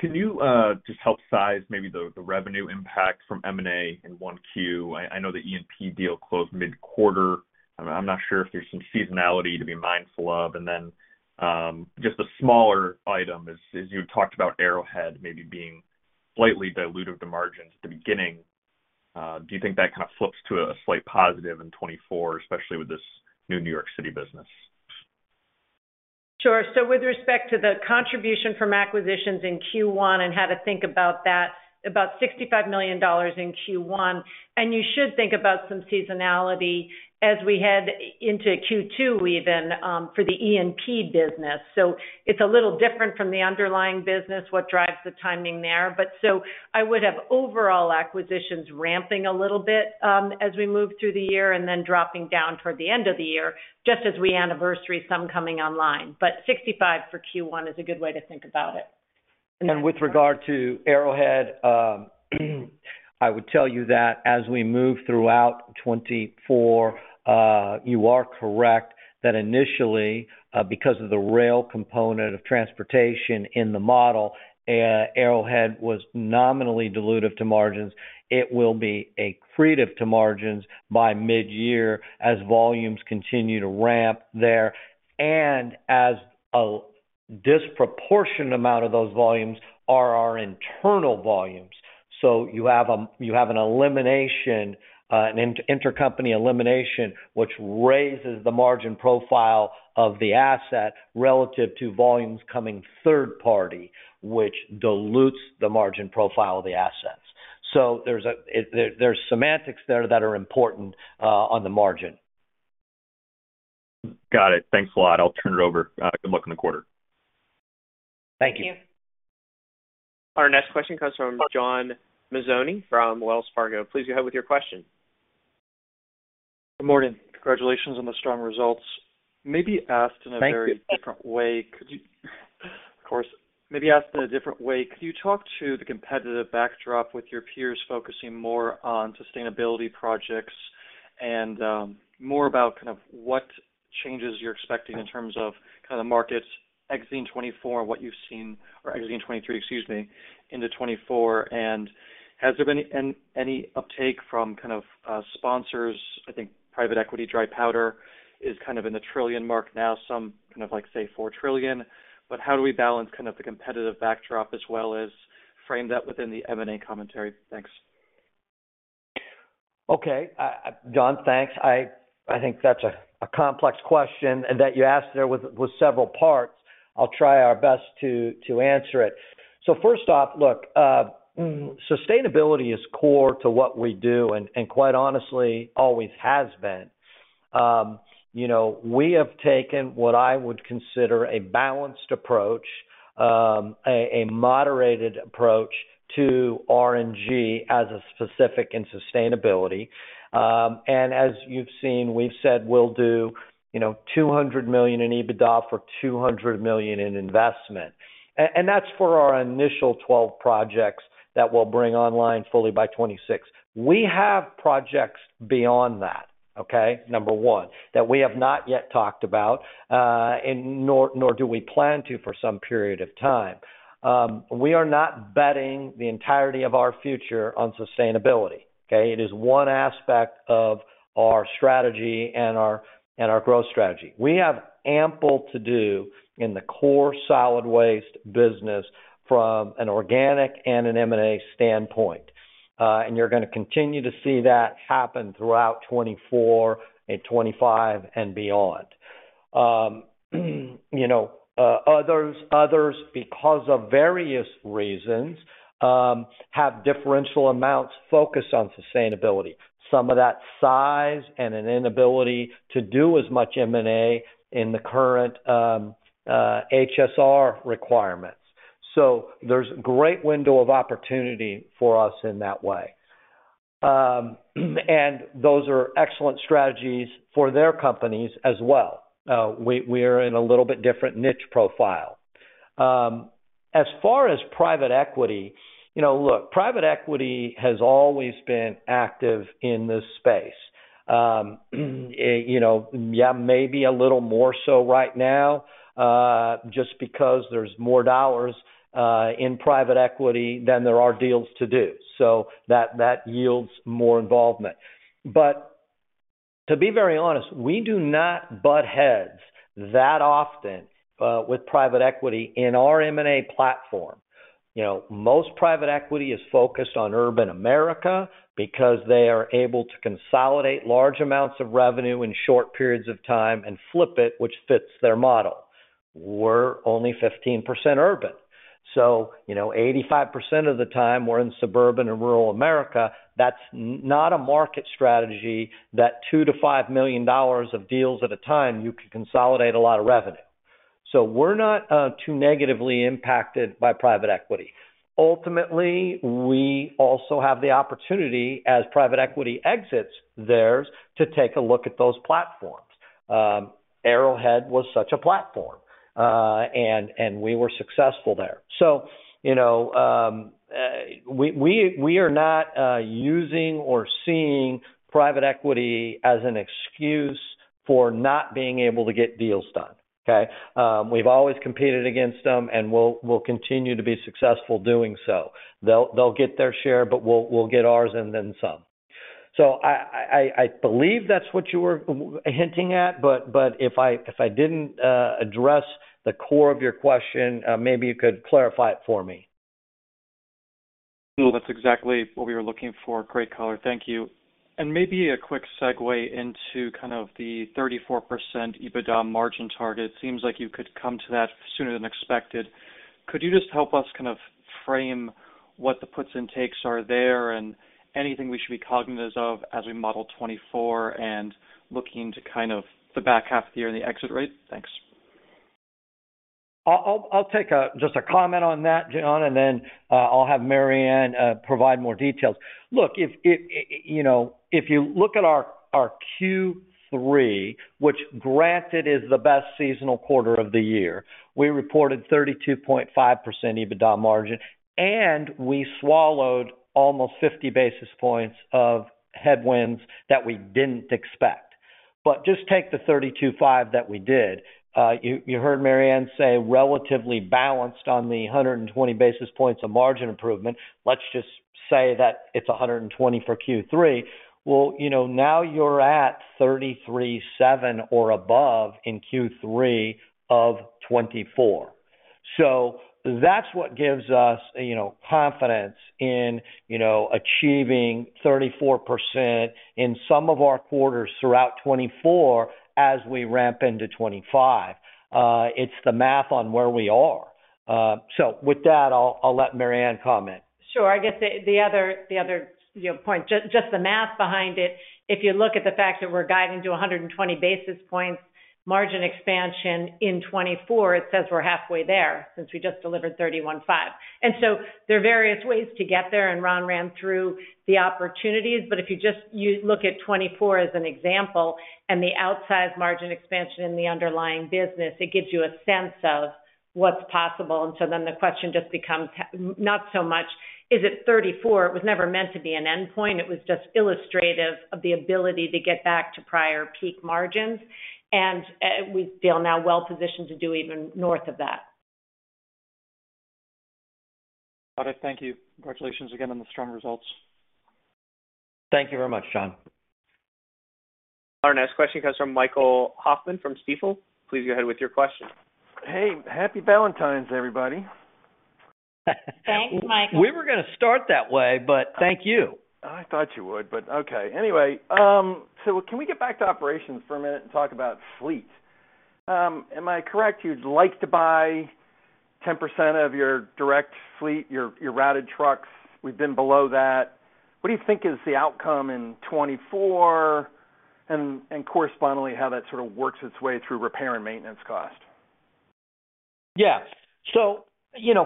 Speaker 9: Can you just help size maybe the revenue impact from M&A in 1Q? I know the E&P deal closed mid-quarter. I'm not sure if there's some seasonality to be mindful of. And then just a smaller item, as you had talked about Arrowhead maybe being slightly diluted the margins at the beginning, do you think that kind of flips to a slight positive in 2024, especially with this new New York City business?
Speaker 3: Sure. So with respect to the contribution from acquisitions in Q1 and how to think about that, about $65 million in Q1. And you should think about some seasonality as we head into Q2 even for the E&P business. So it's a little different from the underlying business, what drives the timing there. But so I would have overall acquisitions ramping a little bit as we move through the year and then dropping down toward the end of the year just as we anniversary some coming online. But $65 million for Q1 is a good way to think about it.
Speaker 2: With regard to Arrowhead, I would tell you that as we move throughout 2024, you are correct that initially, because of the rail component of transportation in the model, Arrowhead was nominally diluted to margins. It will be a accretive to margins by mid-year as volumes continue to ramp there and as a disproportionate amount of those volumes are our internal volumes. So you have an elimination, an intercompany elimination, which raises the margin profile of the asset relative to volumes coming third-party, which dilutes the margin profile of the assets. So there's semantics there that are important on the margin.
Speaker 9: Got it. Thanks a lot. I'll turn it over. Good luck in the quarter.
Speaker 2: Thank you.
Speaker 3: Thank you.
Speaker 1: Our next question comes from John Mazzoni from Wells Fargo. Please go ahead with your question.
Speaker 10: Good morning. Congratulations on the strong results. Maybe asked in a very different way of course, maybe asked in a different way, could you talk to the competitive backdrop with your peers focusing more on sustainability projects and more about kind of what changes you're expecting in terms of kind of the markets exiting 2024 and what you've seen or exiting 2023, excuse me, into 2024? Has there been any uptake from kind of sponsors? I think private equity dry powder is kind of in the trillion mark now, some kind of like, say, 4 trillion. How do we balance kind of the competitive backdrop as well as frame that within the M&A commentary? Thanks.
Speaker 2: Okay. John, thanks. I think that's a complex question and that you asked there was several parts. I'll try our best to answer it. So first off, look, sustainability is core to what we do and quite honestly, always has been. We have taken what I would consider a balanced approach, a moderated approach to RNG as a specific in sustainability. And as you've seen, we've said we'll do $200 million in EBITDA for $200 million in investment. And that's for our initial 12 projects that we'll bring online fully by 2026. We have projects beyond that, okay, number one, that we have not yet talked about, nor do we plan to for some period of time. We are not betting the entirety of our future on sustainability, okay? It is one aspect of our strategy and our growth strategy. We have ample to do in the core solid waste business from an organic and an M&A standpoint. And you're going to continue to see that happen throughout 2024 and 2025 and beyond. Others, because of various reasons, have differential amounts focused on sustainability, some of that size and an inability to do as much M&A in the current HSR requirements. So there's a great window of opportunity for us in that way. And those are excellent strategies for their companies as well. We are in a little bit different niche profile. As far as private equity, look, private equity has always been active in this space. Yeah, maybe a little more so right now just because there's more dollars in private equity than there are deals to do. So that yields more involvement. To be very honest, we do not butt heads that often with private equity in our M&A platform. Most private equity is focused on urban America because they are able to consolidate large amounts of revenue in short periods of time and flip it, which fits their model. We're only 15% urban. So 85% of the time, we're in suburban and rural America. That's not a market strategy that $2 million-$5 million of deals at a time, you could consolidate a lot of revenue. So we're not too negatively impacted by private equity. Ultimately, we also have the opportunity, as private equity exits theirs, to take a look at those platforms. Arrowhead was such a platform, and we were successful there. So we are not using or seeing private equity as an excuse for not being able to get deals done, okay? We've always competed against them, and we'll continue to be successful doing so. They'll get their share, but we'll get ours and then some. So I believe that's what you were hinting at. But if I didn't address the core of your question, maybe you could clarify it for me.
Speaker 10: No, that's exactly what we were looking for. Great color. Thank you. Maybe a quick segue into kind of the 34% EBITDA margin target. It seems like you could come to that sooner than expected. Could you just help us kind of frame what the puts and takes are there and anything we should be cognizant of as we model 2024 and looking to kind of the back half of the year and the exit rate? Thanks.
Speaker 2: I'll take just a comment on that, John, and then I'll have Mary Anne provide more details. Look, if you look at our Q3, which granted is the best seasonal quarter of the year, we reported 32.5% EBITDA margin, and we swallowed almost 50 basis points of headwinds that we didn't expect. But just take the 32.5 that we did. You heard Mary Anne say relatively balanced on the 120 basis points of margin improvement. Let's just say that it's 120 for Q3. Well, now you're at 33.7 or above in Q3 of 2024. So that's what gives us confidence in achieving 34% in some of our quarters throughout 2024 as we ramp into 2025. It's the math on where we are. So with that, I'll let Mary Anne comment.
Speaker 3: Sure. I guess the other point, just the math behind it, if you look at the fact that we're guiding to 120 basis points margin expansion in 2024, it says we're halfway there since we just delivered 31.5. And so there are various ways to get there, and Ron ran through the opportunities. But if you just look at 2024 as an example and the outsized margin expansion in the underlying business, it gives you a sense of what's possible. And so then the question just becomes not so much, is it 34? It was never meant to be an endpoint. It was just illustrative of the ability to get back to prior peak margins. And we feel now well positioned to do even north of that.
Speaker 10: Got it. Thank you. Congratulations again on the strong results.
Speaker 2: Thank you very much, John.
Speaker 1: Our next question comes from Michael Hoffman from Stifel. Please go ahead with your question.
Speaker 11: Hey, happy Valentine's, everybody.
Speaker 3: Thanks, Michael.
Speaker 2: We were going to start that way, but thank you.
Speaker 11: I thought you would, but okay. Anyway, so can we get back to operations for a minute and talk about fleet? Am I correct you'd like to buy 10% of your direct fleet, your routed trucks? We've been below that. What do you think is the outcome in 2024 and correspondingly how that sort of works its way through repair and maintenance cost?
Speaker 2: Yeah. So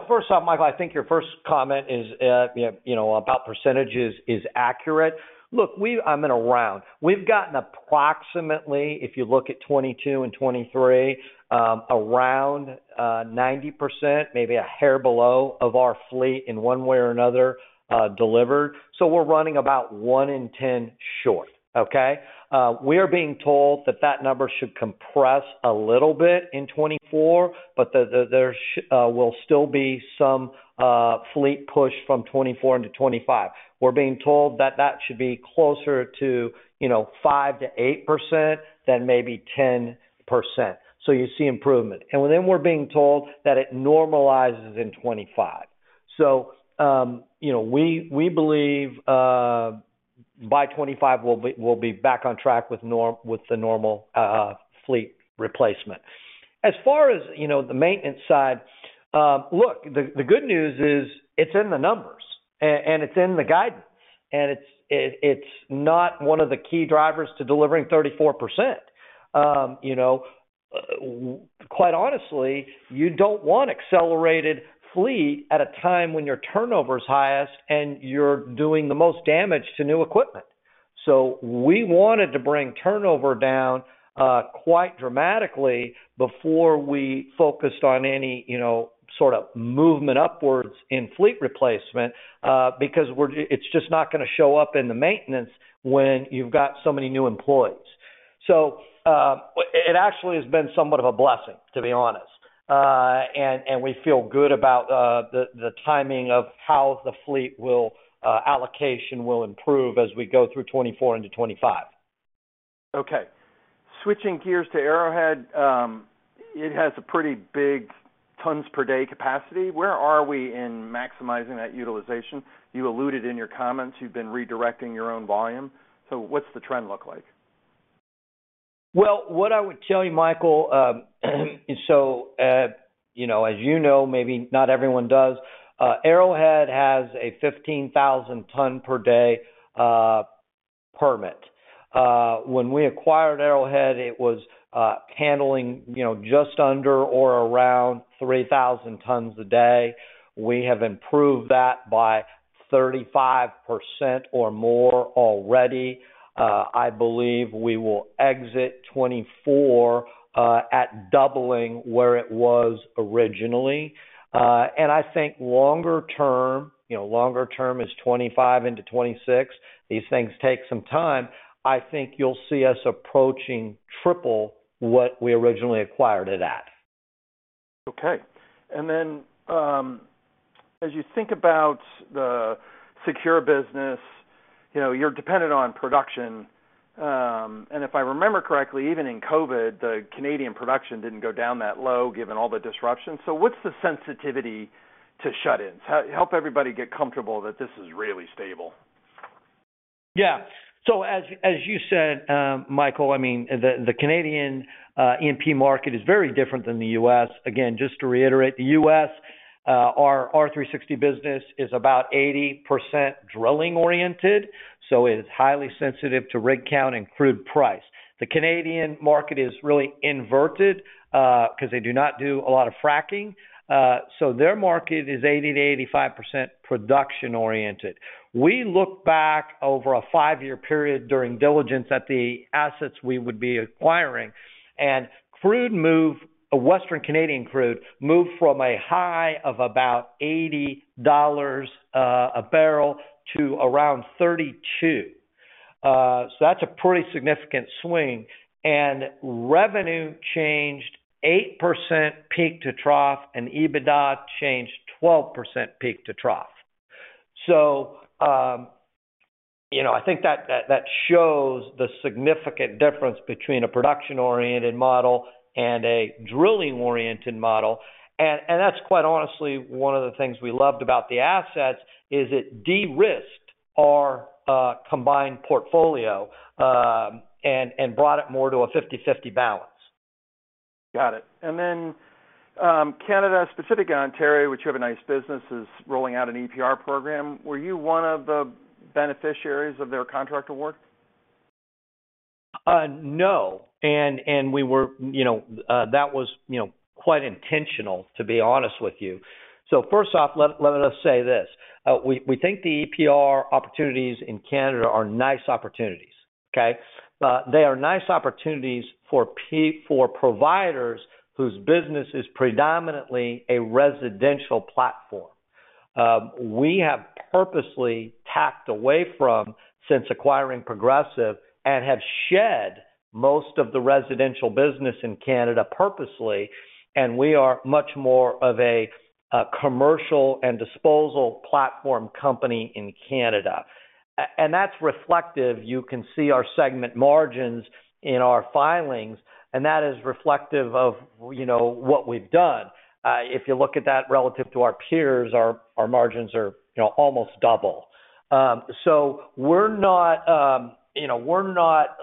Speaker 2: first off, Michael, I think your first comment about percentages is accurate. Look, I'm in a round. We've gotten approximately, if you look at 2022 and 2023, around 90%, maybe a hair below, of our fleet in one way or another delivered. So we're running about 1 in 10 short, okay? We are being told that that number should compress a little bit in 2024, but there will still be some fleet push from 2024 into 2025. We're being told that that should be closer to 5%-8% than maybe 10%. So you see improvement. And then we're being told that it normalizes in 2025. So we believe by 2025, we'll be back on track with the normal fleet replacement. As far as the maintenance side, look, the good news is it's in the numbers, and it's in the guidance. And it's not one of the key drivers to delivering 34%. Quite honestly, you don't want accelerated fleet at a time when your turnover is highest and you're doing the most damage to new equipment. So we wanted to bring turnover down quite dramatically before we focused on any sort of movement upwards in fleet replacement because it's just not going to show up in the maintenance when you've got so many new employees. So it actually has been somewhat of a blessing, to be honest. And we feel good about the timing of how the fleet allocation will improve as we go through 2024 into 2025.
Speaker 11: Okay. Switching gears to Arrowhead, it has a pretty big tons-per-day capacity. Where are we in maximizing that utilization? You alluded in your comments. You've been redirecting your own volume. So what's the trend look like?
Speaker 2: Well, what I would tell you, Michael, so as you know, maybe not everyone does, Arrowhead has a 15,000-ton-per-day permit. When we acquired Arrowhead, it was handling just under or around 3,000 tons a day. We have improved that by 35% or more already. I believe we will exit '24 at doubling where it was originally. And I think longer-term longer-term is '25 into '26. These things take some time. I think you'll see us approaching triple what we originally acquired it at.
Speaker 11: Okay. And then as you think about the secure business, you're dependent on production. And if I remember correctly, even in COVID, the Canadian production didn't go down that low given all the disruptions. So what's the sensitivity to shut-ins? Help everybody get comfortable that this is really stable.
Speaker 2: Yeah. So as you said, Michael, I mean, the Canadian E&P market is very different than the U.S. Again, just to reiterate, the U.S., our R360 business is about 80% drilling-oriented. So it is highly sensitive to rig count and crude price. The Canadian market is really inverted because they do not do a lot of fracking. So their market is 80%-85% production-oriented. We look back over a five-year period during diligence at the assets we would be acquiring. And Western Canadian crude moved from a high of about $80 a barrel to around $32. So that's a pretty significant swing. And revenue changed 8% peak to trough, and EBITDA changed 12% peak to trough. So I think that shows the significant difference between a production-oriented model and a drilling-oriented model. That's quite honestly one of the things we loved about the assets is it de-risked our combined portfolio and brought it more to a 50/50 balance.
Speaker 11: Got it. And then Canada-specific Ontario, which you have a nice business, is rolling out an EPR program. Were you one of the beneficiaries of their contract award?
Speaker 2: No. And that was quite intentional, to be honest with you. So first off, let us say this. We think the EPR opportunities in Canada are nice opportunities, okay? They are nice opportunities for providers whose business is predominantly a residential platform. We have purposely stepped away from since acquiring Progressive and have shed most of the residential business in Canada purposely. And we are much more of a commercial and disposal platform company in Canada. And that's reflective. You can see our segment margins in our filings, and that is reflective of what we've done. If you look at that relative to our peers, our margins are almost double. So we're not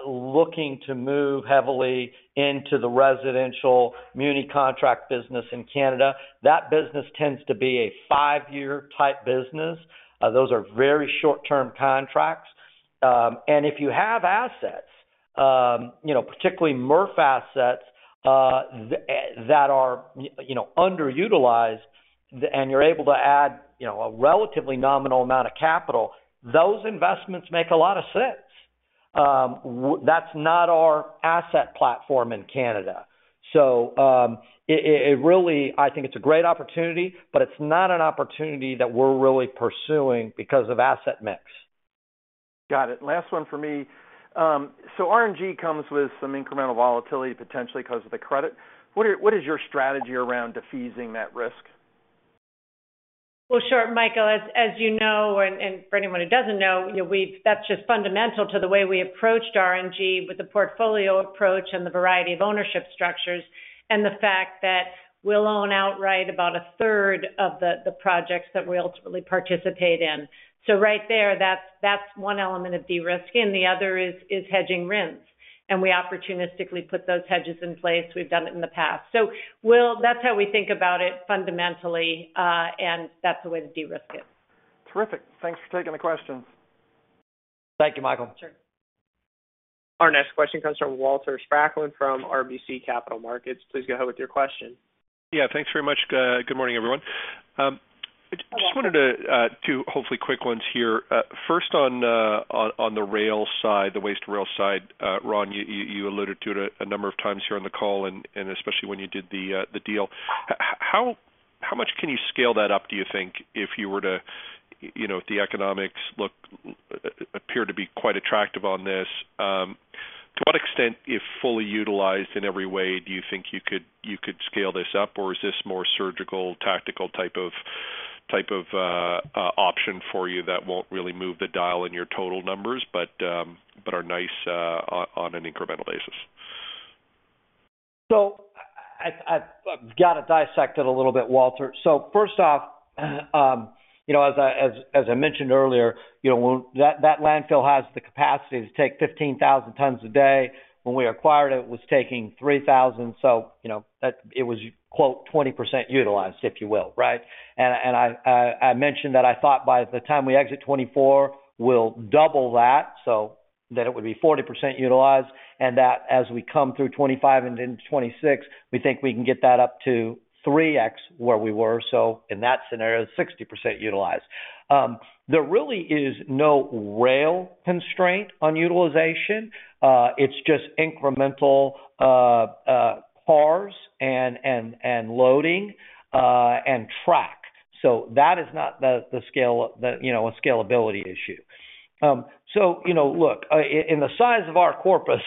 Speaker 2: looking to move heavily into the residential muni contract business in Canada. That business tends to be a five-year type business. Those are very short-term contracts. If you have assets, particularly MRF assets that are underutilized and you're able to add a relatively nominal amount of capital, those investments make a lot of sense. That's not our asset platform in Canada. I think it's a great opportunity, but it's not an opportunity that we're really pursuing because of asset mix.
Speaker 11: Got it. Last one for me. RNG comes with some incremental volatility, potentially because of the credit. What is your strategy around defeasing that risk?
Speaker 3: Well, sure, Michael. As you know, and for anyone who doesn't know, that's just fundamental to the way we approached RNG with the portfolio approach and the variety of ownership structures and the fact that we'll own outright about a third of the projects that we ultimately participate in. So right there, that's one element of de-risking. The other is hedging rents. And we opportunistically put those hedges in place. We've done it in the past. So that's how we think about it fundamentally, and that's the way to de-risk it.
Speaker 11: Terrific. Thanks for taking the questions.
Speaker 2: Thank you, Michael.
Speaker 3: Sure.
Speaker 1: Our next question comes from Walter Spracklin from RBC Capital Markets. Please go ahead with your question.
Speaker 12: Yeah. Thanks very much. Good morning, everyone. I just wanted to do hopefully quick ones here. First, on the rail side, the waste rail side, Ron, you alluded to it a number of times here on the call, and especially when you did the deal. How much can you scale that up, do you think, if you were to if the economics appear to be quite attractive on this, to what extent, if fully utilized in every way, do you think you could scale this up? Or is this more surgical, tactical type of option for you that won't really move the dial in your total numbers but are nice on an incremental basis?
Speaker 2: So I've got to dissect it a little bit, Walter. So first off, as I mentioned earlier, that landfill has the capacity to take 15,000 tons a day. When we acquired it, it was taking 3,000. So it was "20% utilized," if you will, right? And I mentioned that I thought by the time we exit 2024, we'll double that so that it would be 40% utilized. And that as we come through 2025 and into 2026, we think we can get that up to 3x where we were. So in that scenario, it's 60% utilized. There really is no rail constraint on utilization. It's just incremental cars and loading and track. So look, in the size of our corpus,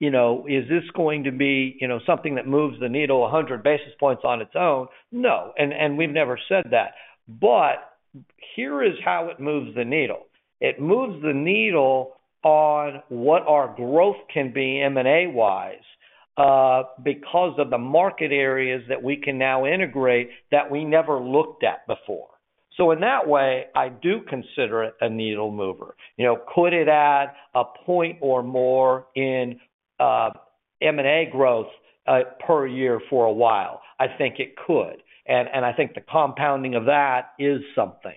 Speaker 2: is this going to be something that moves the needle 100 basis points on its own? No. And we've never said that. But here is how it moves the needle. It moves the needle on what our growth can be M&A-wise because of the market areas that we can now integrate that we never looked at before. So in that way, I do consider it a needle mover. Could it add a point or more in M&A growth per year for a while? I think it could. And I think the compounding of that is something.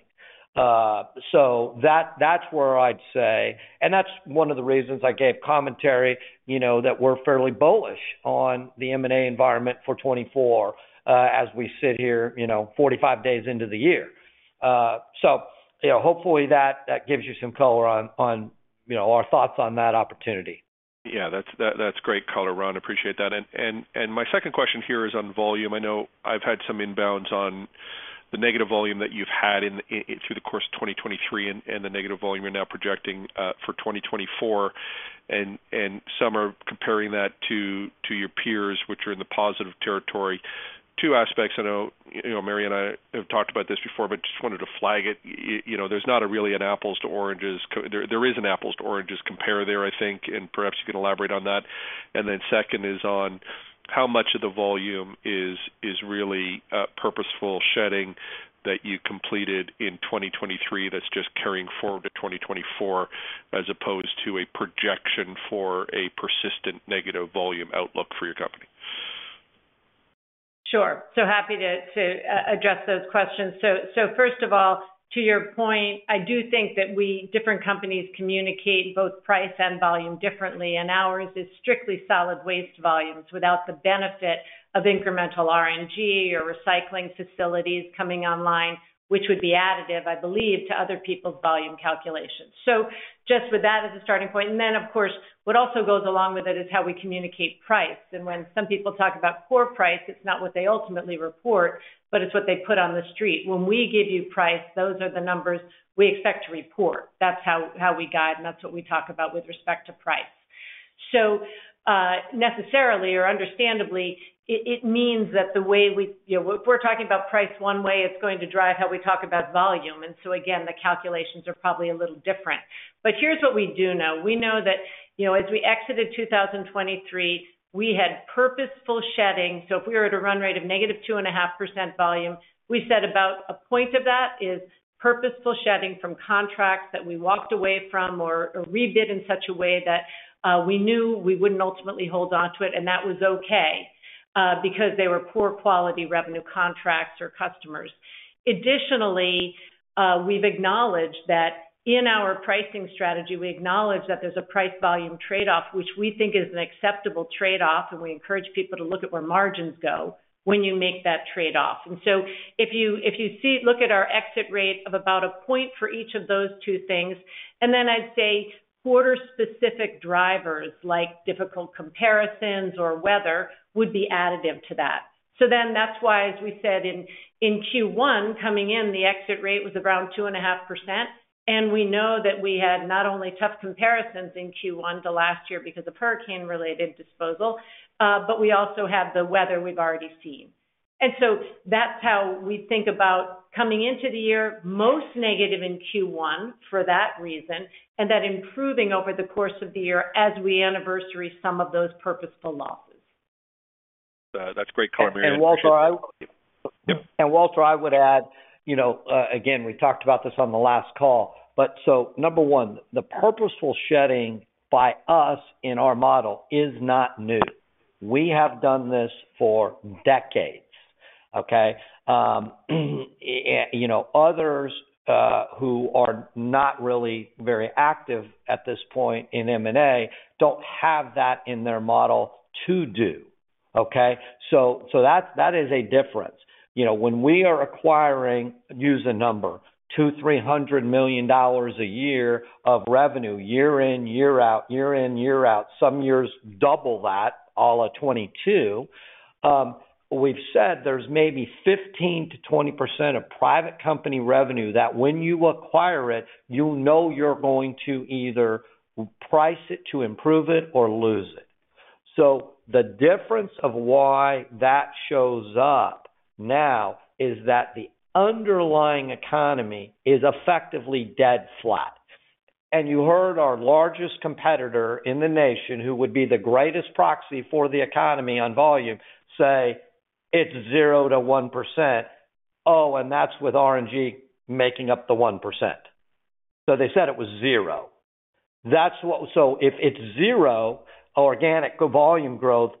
Speaker 2: So that's where I'd say and that's one of the reasons I gave commentary that we're fairly bullish on the M&A environment for 2024 as we sit here 45 days into the year. So hopefully, that gives you some color on our thoughts on that opportunity.
Speaker 12: Yeah. That's great color, Ron. Appreciate that. My second question here is on volume. I know I've had some inbounds on the negative volume that you've had through the course of 2023 and the negative volume you're now projecting for 2024. Some are comparing that to your peers, which are in the positive territory. Two aspects. I know Mary and I have talked about this before, but just wanted to flag it. There's not really an apples-to-oranges there. There is an apples-to-oranges compare there, I think, and perhaps you can elaborate on that. Then second is on how much of the volume is really purposeful shedding that you completed in 2023 that's just carrying forward to 2024 as opposed to a projection for a persistent negative volume outlook for your company.
Speaker 3: Sure. Happy to address those questions. First of all, to your point, I do think that different companies communicate both price and volume differently. Ours is strictly solid waste volumes without the benefit of incremental RNG or recycling facilities coming online, which would be additive, I believe, to other people's volume calculations. Just with that as a starting point. Then, of course, what also goes along with it is how we communicate price. When some people talk about core price, it's not what they ultimately report, but it's what they put on the street. When we give you price, those are the numbers we expect to report. That's how we guide, and that's what we talk about with respect to price. So necessarily or understandably, it means that the way we, if we're talking about price one way, it's going to drive how we talk about volume. And so again, the calculations are probably a little different. But here's what we do know. We know that as we exited 2023, we had purposeful shedding. So if we were at a run rate of -2.5% volume, we said about a point of that is purposeful shedding from contracts that we walked away from or rebid in such a way that we knew we wouldn't ultimately hold onto it. And that was okay because they were poor-quality revenue contracts or customers. Additionally, we've acknowledged that in our pricing strategy, we acknowledge that there's a price-volume trade-off, which we think is an acceptable trade-off, and we encourage people to look at where margins go when you make that trade-off. So if you look at our exit rate of about 1 point for each of those two things, and then I'd say quarter-specific drivers like difficult comparisons or weather would be additive to that. That's why, as we said, in Q1 coming in, the exit rate was around 2.5%. We know that we had not only tough comparisons in Q1 to last year because of hurricane-related disposal, but we also had the weather we've already seen. That's how we think about coming into the year, most negative in Q1 for that reason, and that improving over the course of the year as we anniversary some of those purposeful losses.
Speaker 12: That's great color,
Speaker 2: Mary Anne. And Walter, I would add again, we talked about this on the last call. So number one, the purposeful shedding by us in our model is not new. We have done this for decades, okay? Others who are not really very active at this point in M&A don't have that in their model to do, okay? So that is a difference. When we are acquiring, use a number, $200 million-$300 million a year of revenue year in, year out, year in, year out, some years double that, all of 2022, we've said there's maybe 15%-20% of private company revenue that when you acquire it, you'll know you're going to either price it to improve it or lose it. So the difference of why that shows up now is that the underlying economy is effectively dead flat. And you heard our largest competitor in the nation, who would be the greatest proxy for the economy on volume, say, "It's 0%-1%. Oh, and that's with RNG making up the 1%." So they said it was 0. So if it's 0 organic volume growth,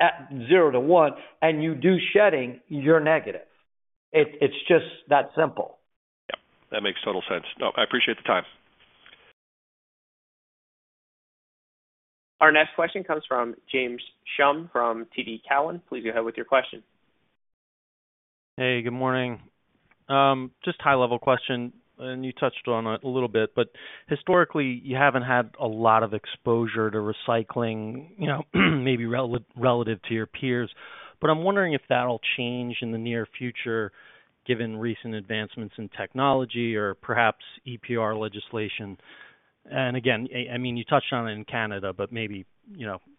Speaker 2: 0%-1%, and you do shedding, you're negative. It's just that simple.
Speaker 12: Yep. That makes total sense. No, I appreciate the time.
Speaker 1: Our next question comes from James Schumm from TD Cowen. Please go ahead with your question.
Speaker 13: Hey. Good morning. Just high-level question, and you touched on it a little bit. But historically, you haven't had a lot of exposure to recycling, maybe relative to your peers. But I'm wondering if that'll change in the near future given recent advancements in technology or perhaps EPR legislation. And again, I mean, you touched on it in Canada, but maybe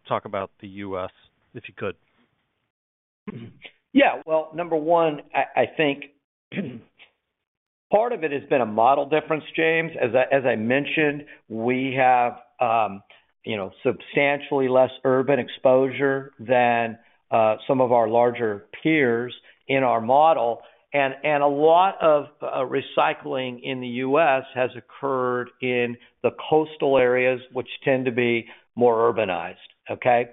Speaker 13: talk about the U.S. if you could.
Speaker 2: Yeah. Well, number one, I think part of it has been a model difference, James. As I mentioned, we have substantially less urban exposure than some of our larger peers in our model. And a lot of recycling in the U.S. has occurred in the coastal areas, which tend to be more urbanized, okay?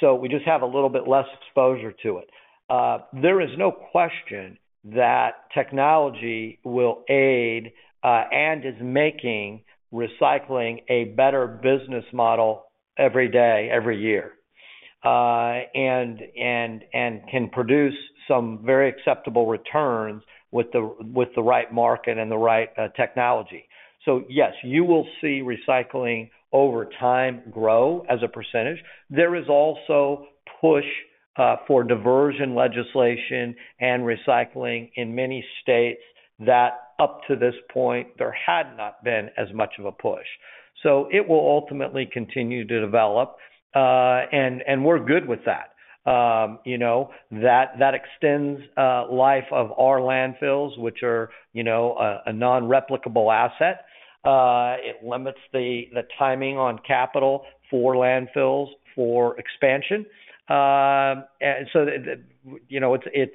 Speaker 2: So we just have a little bit less exposure to it. There is no question that technology will aid and is making recycling a better business model every day, every year, and can produce some very acceptable returns with the right market and the right technology. So yes, you will see recycling over time grow as a percentage. There is also push for diversion legislation and recycling in many states that up to this point, there had not been as much of a push. So it will ultimately continue to develop, and we're good with that. That extends life of our landfills, which are a non-replicable asset. It limits the timing on capital for landfills for expansion. And so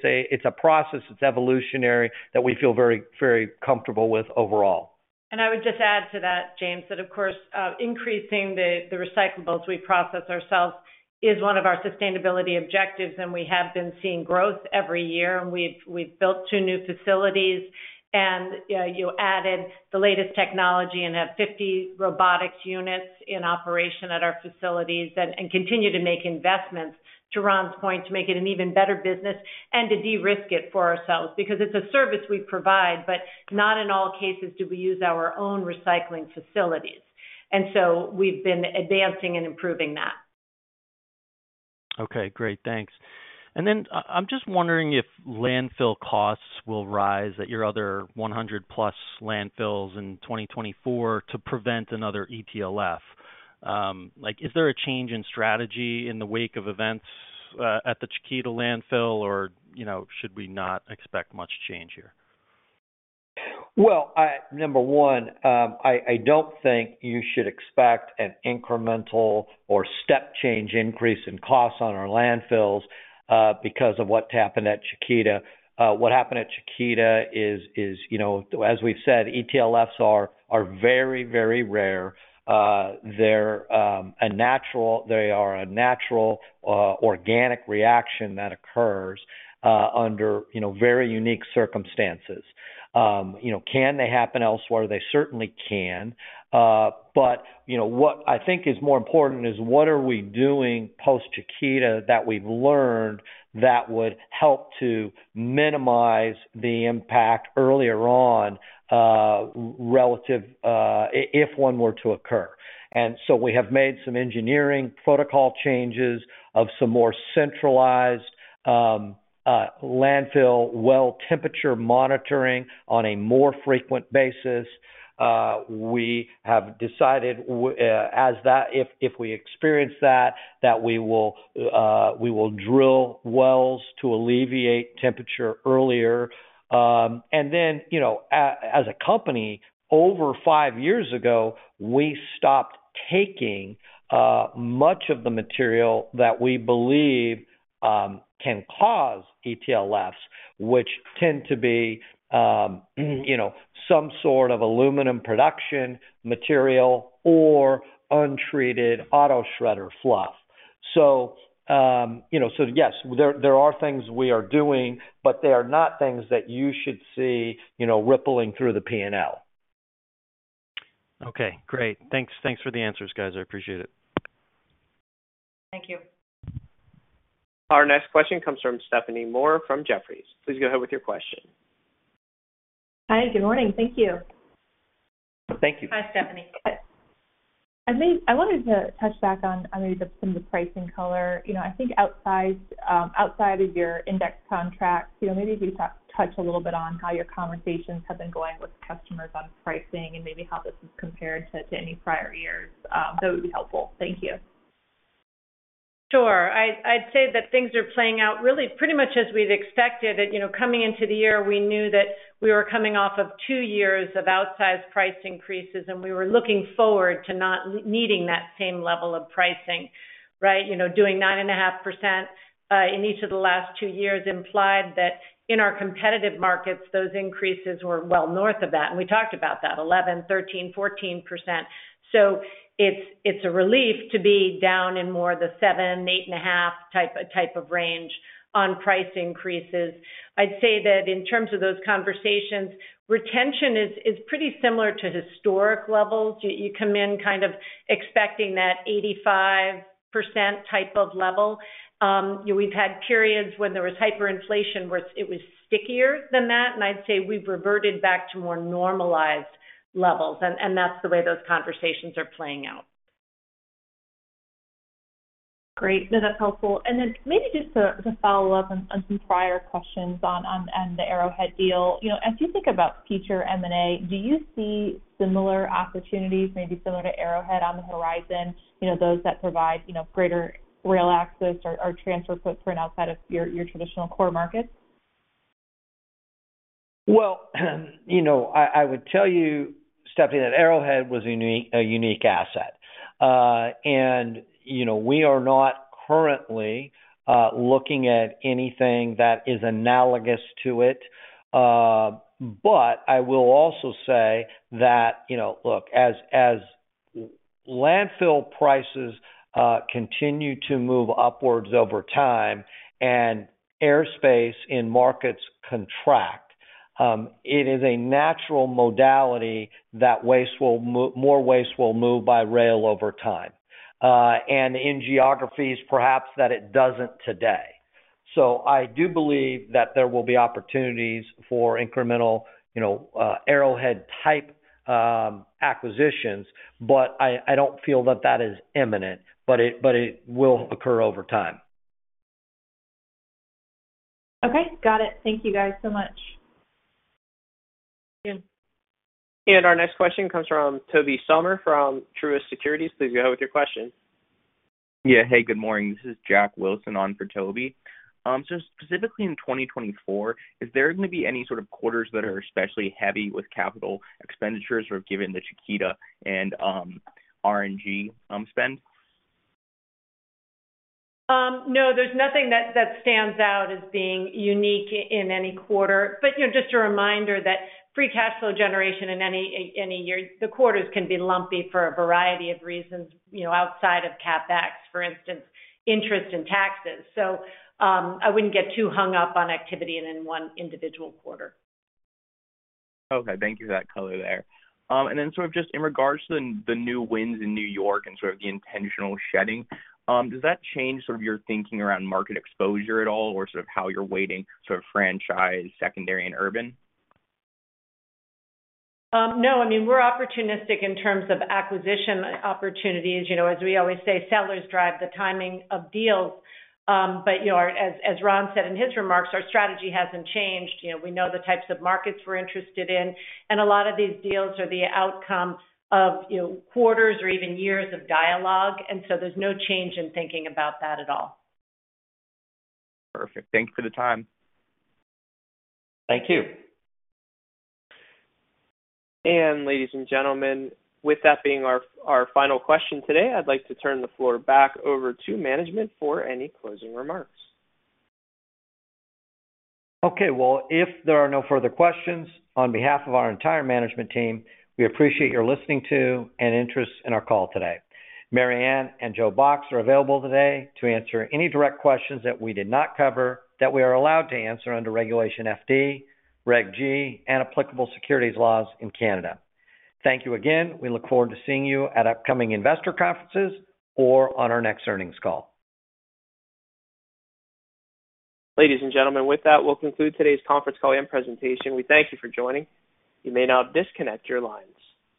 Speaker 2: it's a process. It's evolutionary that we feel very, very comfortable with overall.
Speaker 3: I would just add to that, James, that of course, increasing the recyclables we process ourselves is one of our sustainability objectives. We have been seeing growth every year. We've built two new facilities and added the latest technology and have 50 robotics units in operation at our facilities and continue to make investments, to Ron's point, to make it an even better business and to de-risk it for ourselves because it's a service we provide, but not in all cases do we use our own recycling facilities. So we've been advancing and improving that.
Speaker 13: Okay. Great. Thanks. And then I'm just wondering if landfill costs will rise at your other 100+ landfills in 2024 to prevent another ETLF. Is there a change in strategy in the wake of events at the Chiquita Landfill, or should we not expect much change here?
Speaker 2: Well, number one, I don't think you should expect an incremental or step-change increase in costs on our landfills because of what happened at Chiquita. What happened at Chiquita is, as we've said, ETLFs are very, very rare. They're a natural organic reaction that occurs under very unique circumstances. Can they happen elsewhere? They certainly can. But what I think is more important is what are we doing post-Chiquita that we've learned that would help to minimize the impact earlier on relative if one were to occur. And so we have made some engineering protocol changes of some more centralized landfill well temperature monitoring on a more frequent basis. We have decided if we experience that, that we will drill wells to alleviate temperature earlier. And then as a company, over five years ago, we stopped taking much of the material that we believe can cause ETLFs, which tend to be some sort of aluminum production material or untreated auto shredder fluff. So yes, there are things we are doing, but they are not things that you should see rippling through the P&L.
Speaker 13: Okay. Great. Thanks for the answers, guys. I appreciate it.
Speaker 3: Thank you.
Speaker 1: Our next question comes from Stephanie Moore from Jefferies. Please go ahead with your question.
Speaker 14: Hi. Good morning. Thank you.
Speaker 2: Thank you.
Speaker 3: Hi, Stephanie.
Speaker 14: I wanted to touch back on maybe some of the pricing color. I think outside of your index contracts, maybe if you touch a little bit on how your conversations have been going with customers on pricing and maybe how this is compared to any prior years, that would be helpful. Thank you.
Speaker 3: Sure. I'd say that things are playing out really pretty much as we'd expected. Coming into the year, we knew that we were coming off of two years of outsized price increases, and we were looking forward to not needing that same level of pricing, right? Doing 9.5% in each of the last two years implied that in our competitive markets, those increases were well north of that. And we talked about that, 11%, 13%, 14%. So it's a relief to be down in more of the 7-8.5 type of range on price increases. I'd say that in terms of those conversations, retention is pretty similar to historic levels. You come in kind of expecting that 85% type of level. We've had periods when there was hyperinflation where it was stickier than that. And I'd say we've reverted back to more normalized levels. And that's the way those conversations are playing out.
Speaker 14: Great. No, that's helpful. And then maybe just to follow up on some prior questions on the Arrowhead deal, as you think about future M&A, do you see similar opportunities, maybe similar to Arrowhead on the horizon, those that provide greater rail access or transfer footprint outside of your traditional core markets?
Speaker 2: Well, I would tell you, Stephanie, that Arrowhead was a unique asset. And we are not currently looking at anything that is analogous to it. But I will also say that, look, as landfill prices continue to move upwards over time and airspace in markets contract, it is a natural modality that more waste will move by rail over time. And in geographies, perhaps that it doesn't today. So I do believe that there will be opportunities for incremental Arrowhead-type acquisitions, but I don't feel that that is imminent. But it will occur over time.
Speaker 14: Okay. Got it. Thank you, guys, so much.
Speaker 1: Our next question comes from Tobey Sommer from Truist Securities. Please go ahead with your question.
Speaker 15: Yeah. Hey. Good morning. This is Jack Wilson on for Tobey. So specifically in 2024, is there going to be any sort of quarters that are especially heavy with capital expenditures given the Chiquita and RNG spend?
Speaker 3: No. There's nothing that stands out as being unique in any quarter. But just a reminder that free cash flow generation in any year, the quarters can be lumpy for a variety of reasons outside of CapEx, for instance, interest and taxes. So I wouldn't get too hung up on activity in one individual quarter.
Speaker 15: Okay. Thank you for that color there. And then sort of just in regards to the new wins in New York and sort of the intentional shedding, does that change sort of your thinking around market exposure at all or sort of how you're weighting sort of franchise, secondary, and urban?
Speaker 3: No. I mean, we're opportunistic in terms of acquisition opportunities. As we always say, sellers drive the timing of deals. But as Ron said in his remarks, our strategy hasn't changed. We know the types of markets we're interested in. And a lot of these deals are the outcome of quarters or even years of dialogue. And so there's no change in thinking about that at all.
Speaker 15: Perfect. Thank you for the time.
Speaker 2: Thank you.
Speaker 1: Ladies and gentlemen, with that being our final question today, I'd like to turn the floor back over to management for any closing remarks.
Speaker 2: Okay. Well, if there are no further questions, on behalf of our entire management team, we appreciate your listening to and interest in our call today. Mary Anne and Joe Box are available today to answer any direct questions that we did not cover that we are allowed to answer under Regulation FD, Reg G, and applicable securities laws in Canada. Thank you again. We look forward to seeing you at upcoming investor conferences or on our next earnings call.
Speaker 1: Ladies and gentlemen, with that, we'll conclude today's conference call and presentation. We thank you for joining. You may now disconnect your lines.